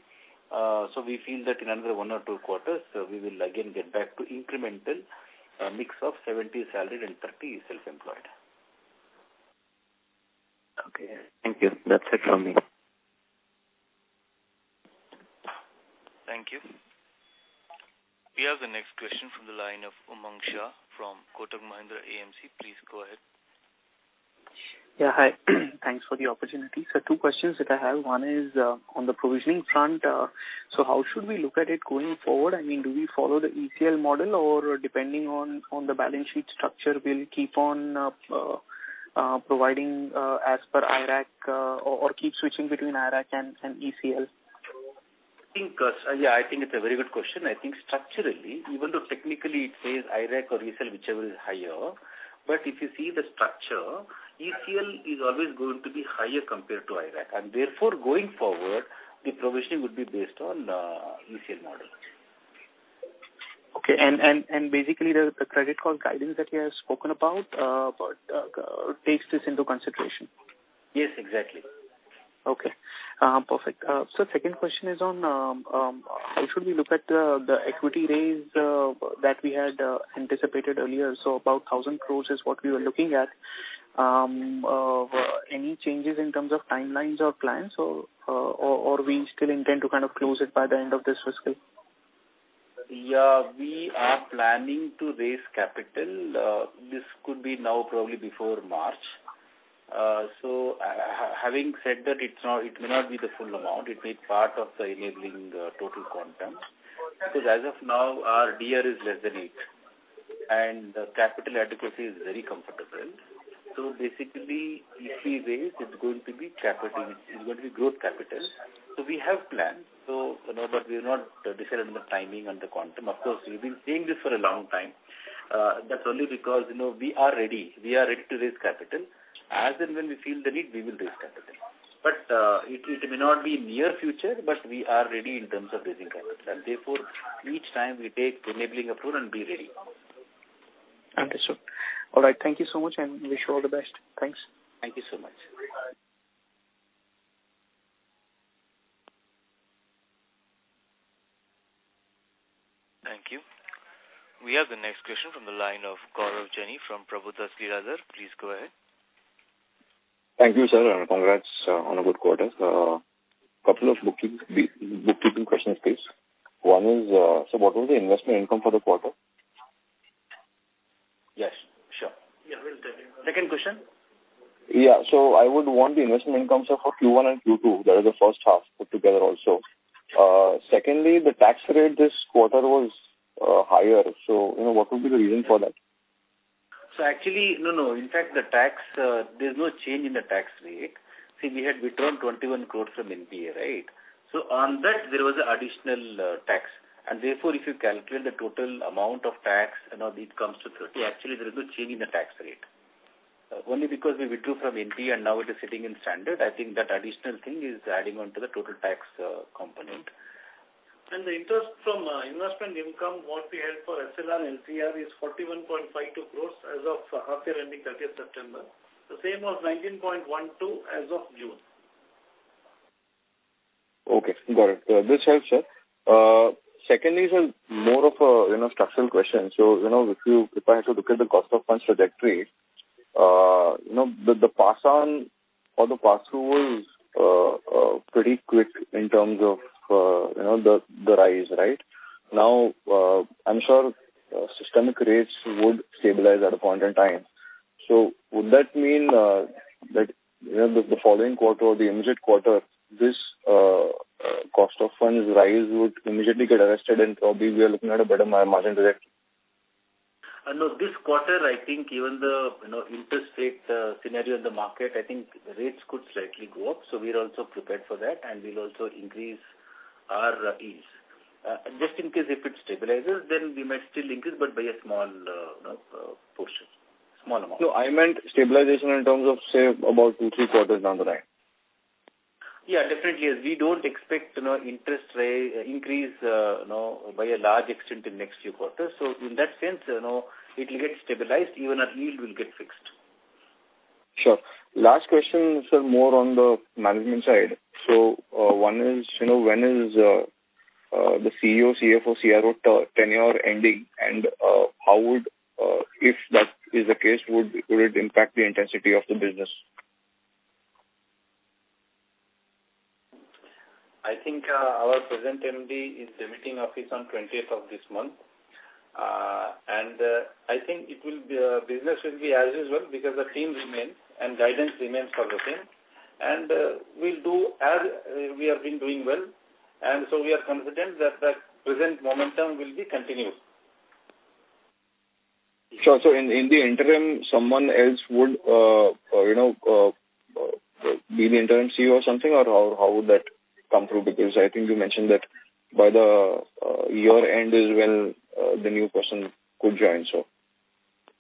We feel that in another one or two quarters, we will again get back to incremental mix of 70 salaried and 30 self-employed. Okay. Thank you. That's it from me. Thank you. We have the next question from the line of Umang Shah from Kotak Mahindra AMC. Please go ahead. Yeah. Hi. Thanks for the opportunity. Two questions that I have. One is on the provisioning front. How should we look at it going forward? I mean, do we follow the ECL model or depending on the balance sheet structure, we'll keep on providing as per IRAC, or keep switching between IRAC and ECL? I think, yeah, I think it's a very good question. I think structurally, even though technically it says IRAC or ECL, whichever is higher. If you see the structure, ECL is always going to be higher compared to IRAC. Therefore, going forward, the provisioning would be based on ECL model. Basically the credit card guidance that you have spoken about takes this into consideration? Yes. Exactly. Okay. Perfect. Second question is on how should we look at the equity raise that we had anticipated earlier? About 1,000 crore is what we were looking at. Any changes in terms of timelines or plans or we still intend to kind of close it by the end of this fiscal? Yeah. We are planning to raise capital. This could be now probably before March. Having said that, it's not, it may not be the full amount. It may be part of the enabling the total quantum. Because as of now, our DR is less than eight and capital adequacy is very comfortable. Basically, if we raise, it's going to be capital, it's going to be growth capital. We have planned. You know, but we have not decided on the timing and the quantum. Of course, we've been saying this for a long time. That's only because, you know, we are ready. We are ready to raise capital. As and when we feel the need, we will raise capital. It may not be near future, but we are ready in terms of raising capital. Each time we take enabling approval and be ready. Understood. All right. Thank you so much, and wish you all the best. Thanks. Thank you so much. Thank you. We have the next question from the line of Gaurav Jani from Prabhudas Lilladher Pvt Ltd. Please go ahead. Thank you, sir, and congrats on a good quarter. Couple of bookkeeping questions, please. One is, what was the investment income for the quarter? Yes, sure. Yeah, we'll tell him. Second question. I would want the investment income, so for Q1 and Q2, that is the first half put together also. Secondly, the tax rate this quarter was higher. You know, what would be the reason for that? Actually, no, in fact, the tax, there's no change in the tax rate. See, we had returned 21 crore from NPA, right? On that, there was additional tax. Therefore, if you calculate the total amount of tax and all it comes to 30 crore, actually, there is no change in the tax rate. Only because we withdrew from NPA and now it is sitting in standard, I think that additional thing is adding on to the total tax component. The interest from investment income what we had for SLR and LCR is 41.52 crore as of half year ending 30th September. The same was 19.12 crore as of June. Okay. Got it. This helps, sir. Secondly, sir, more of a, you know, structural question. You know, if you, if I have to look at the cost of funds trajectory, you know, the pass on or the pass through was pretty quick in terms of, you know, the rise, right? Now, I'm sure, systemic rates would stabilize at a point in time. Would that mean, that, you know, the following quarter or the immediate quarter, this cost of funds rise would immediately get arrested, and probably we are looking at a better margin directly? No, this quarter, I think even the, you know, interest rate scenario in the market, I think rates could slightly go up. We are also prepared for that, and we'll also increase our yields. Just in case if it stabilizes, then we might still increase, but by a small, you know, portion. Small amount. No, I meant stabilization in terms of, say, about two, three quarters down the line. Yeah, definitely, yes. We don't expect, you know, interest increase, you know, by a large extent in next few quarters. In that sense, you know, it'll get stabilized even our yield will get fixed. Sure. Last question, sir, more on the management side. One is, you know, when is the CEO, CFO, CRO tenure ending? And how would it impact the intensity of the business if that is the case? I think our present MD is demitting office on 20th of this month. I think it will be business as usual because the team remains and guidance remains for the same. We'll do as we have been doing well. We are confident that the present momentum will be continued. Sure. In the interim, someone else would, you know, be the interim CEO or something, or how would that come through? Because I think you mentioned that by the year-end is when the new person could join,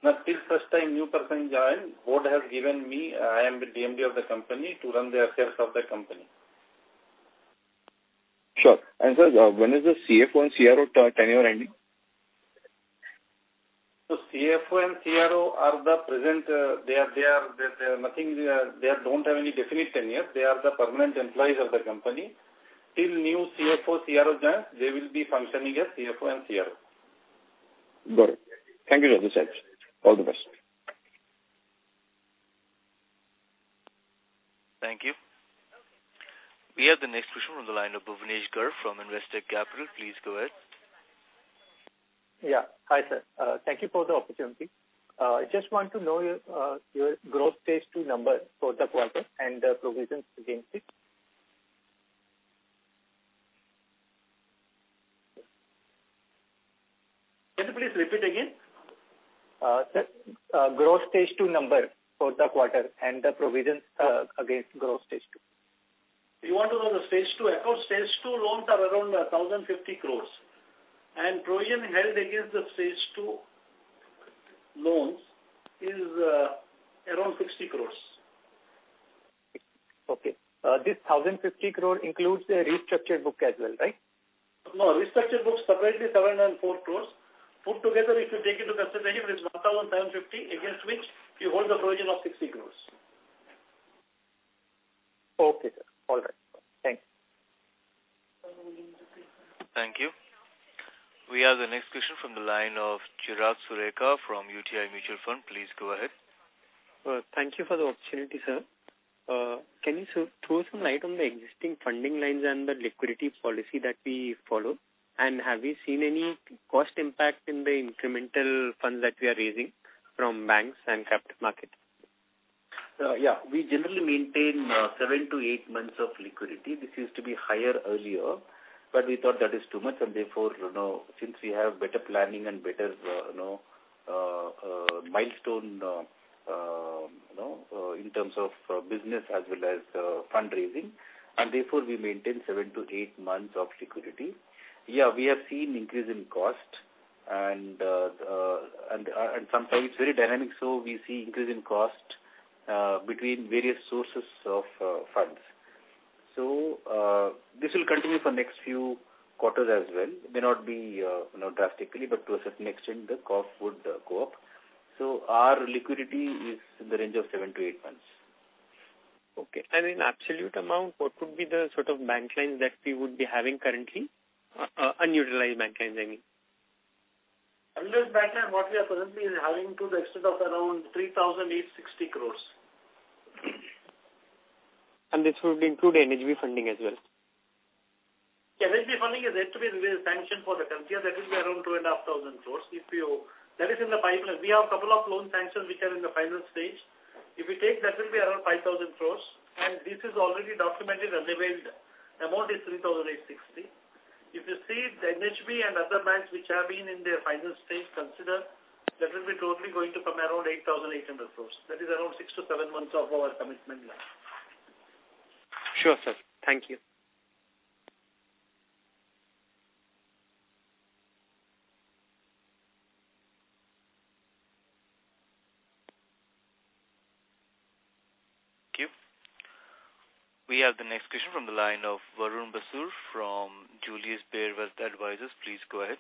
so. Now, till such time new person join, board has given me, I am the MD of the company, to run the affairs of the company. Sure. Sir, when is the CFO and CRO tenure ending? CFO and CRO are present. They don't have any definite tenure. They are the permanent employees of the company. Till new CFO, CRO joins, they will be functioning as CFO and CRO. Got it. Thank you, sir. All the best. Thank you. We have the next question on the line of Bhuvnesh Garg from Investec Capital. Please go ahead. Yeah. Hi, sir. Thank you for the opportunity. Just want to know your gross stage two number for the quarter and the provisions against it. Can you please repeat again? Sir, gross Stage 2 number for the quarter and the provisions against gross Stage 2? You want to know the Stage 2 account. Stage 2 loans are around 1,050 crores and provision held against the Stage 2 loans is around 60 crores. Okay. This 1,050 crore includes a restructured book as well, right? No, restructured book separately INR 7 crore and 4 crore. Put together, if you take into consideration, it is 750 against which you hold the provision of 50 crore. Okay, sir. All right. Thanks. Thank you. We have the next question from the line of Chirag Sureka from UTI Mutual Fund. Please go ahead. Thank you for the opportunity, sir. Can you throw some light on the existing funding lines and the liquidity policy that we follow? Have you seen any cost impact in the incremental funds that we are raising from banks and capital market? Yeah, we generally maintain 7-8 months of liquidity. This used to be higher earlier, but we thought that is too much and therefore you know since we have better planning and better you know milestone you know in terms of business as well as fundraising and therefore we maintain 7-8 months of liquidity. Yeah, we have seen increase in cost and sometimes very dynamic, so we see increase in cost between various sources of funds. This will continue for next few quarters as well. May not be drastically, but to a certain extent the cost would go up. Our liquidity is in the range of 7-8 months. Okay. In absolute amount, what could be the sort of bank lines that we would be having currently? Unutilized bank lines, I mean. Unutilized bank line, what we are currently having to the extent of around 3,860 crores. This would include NHB funding as well? Yeah, NHB funding is yet to be released sanction for the current year. That will be around 2,500 crore. That is in the pipeline. We have couple of loan sanctions which are in the final stage. If we take that will be around 5,000 crore and this is already documented. Available amount is 3,860. If you see the NHB and other banks which are in the final stage, if you consider, that will be totally going to come around 8,800 crore. That is around 6-7 months of our commitment line. Sure, sir. Thank you. Thank you. We have the next question from the line of Varun Basrur from Julius Baer Wealth Advisors. Please go ahead.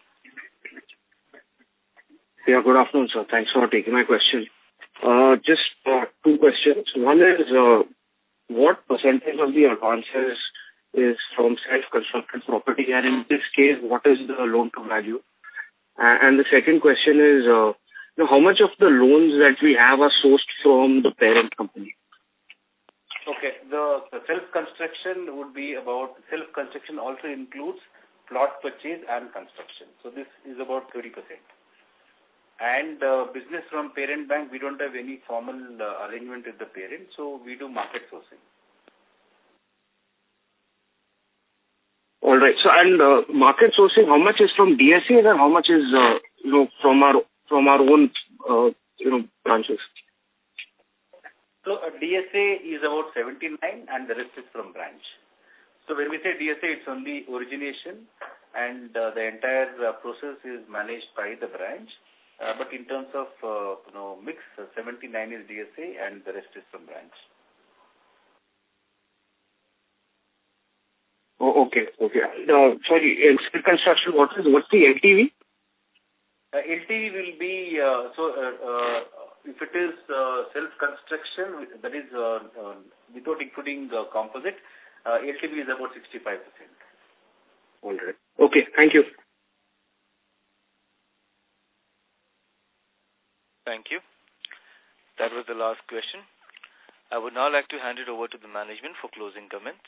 Yeah, good afternoon, sir. Thanks for taking my question. Just two questions. One is, what percentage of the advances is from self-construction property? And in this case, what is the loan to value? And the second question is, how much of the loans that we have are sourced from the parent company? Okay. The self-construction would be about self-construction also includes plot purchase and construction. This is about 30%. Business from parent bank, we don't have any formal arrangement with the parent, so we do market sourcing. Market sourcing, how much is from DSAs and how much is, you know, from our own, you know, branches? DSA is about 79% and the rest is from branch. When we say DSA, it's only origination and the entire process is managed by the branch. In terms of, you know, mix, 79% is DSA and the rest is from branch. Okay. Now, sorry, in self-construction, what's the LTV? LTV will be, if it is self-construction, that is, without including the composite, LTV is about 65%. All right. Okay. Thank you. Thank you. That was the last question. I would now like to hand it over to the management for closing comments.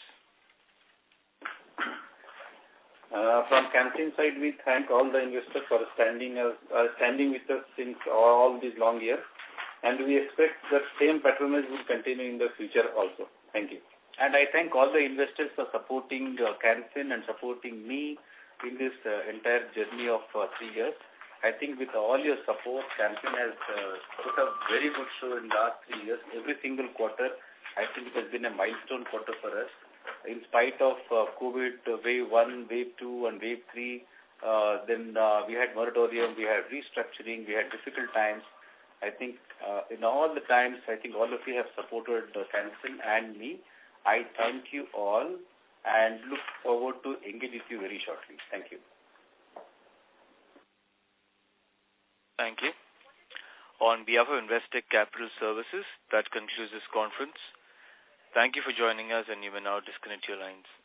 From Can Fin Homes side, we thank all the investors for standing with us since all these long years. We expect that same patronage will continue in the future also. Thank you. I thank all the investors for supporting Can Fin Homes and supporting me in this entire journey of three years. I think with all your support, Can Fin Homes has put up very good show in last three years. Every single quarter I think has been a milestone quarter for us. In spite of COVID wave one, wave two and wave three, then we had moratorium, we had restructuring, we had difficult times. I think in all the times, I think all of you have supported Can Fin Homes and me. I thank you all and look forward to engage with you very shortly. Thank you. Thank you. On behalf of Investec Capital Services, that concludes this conference. Thank you for joining us and you may now disconnect your lines.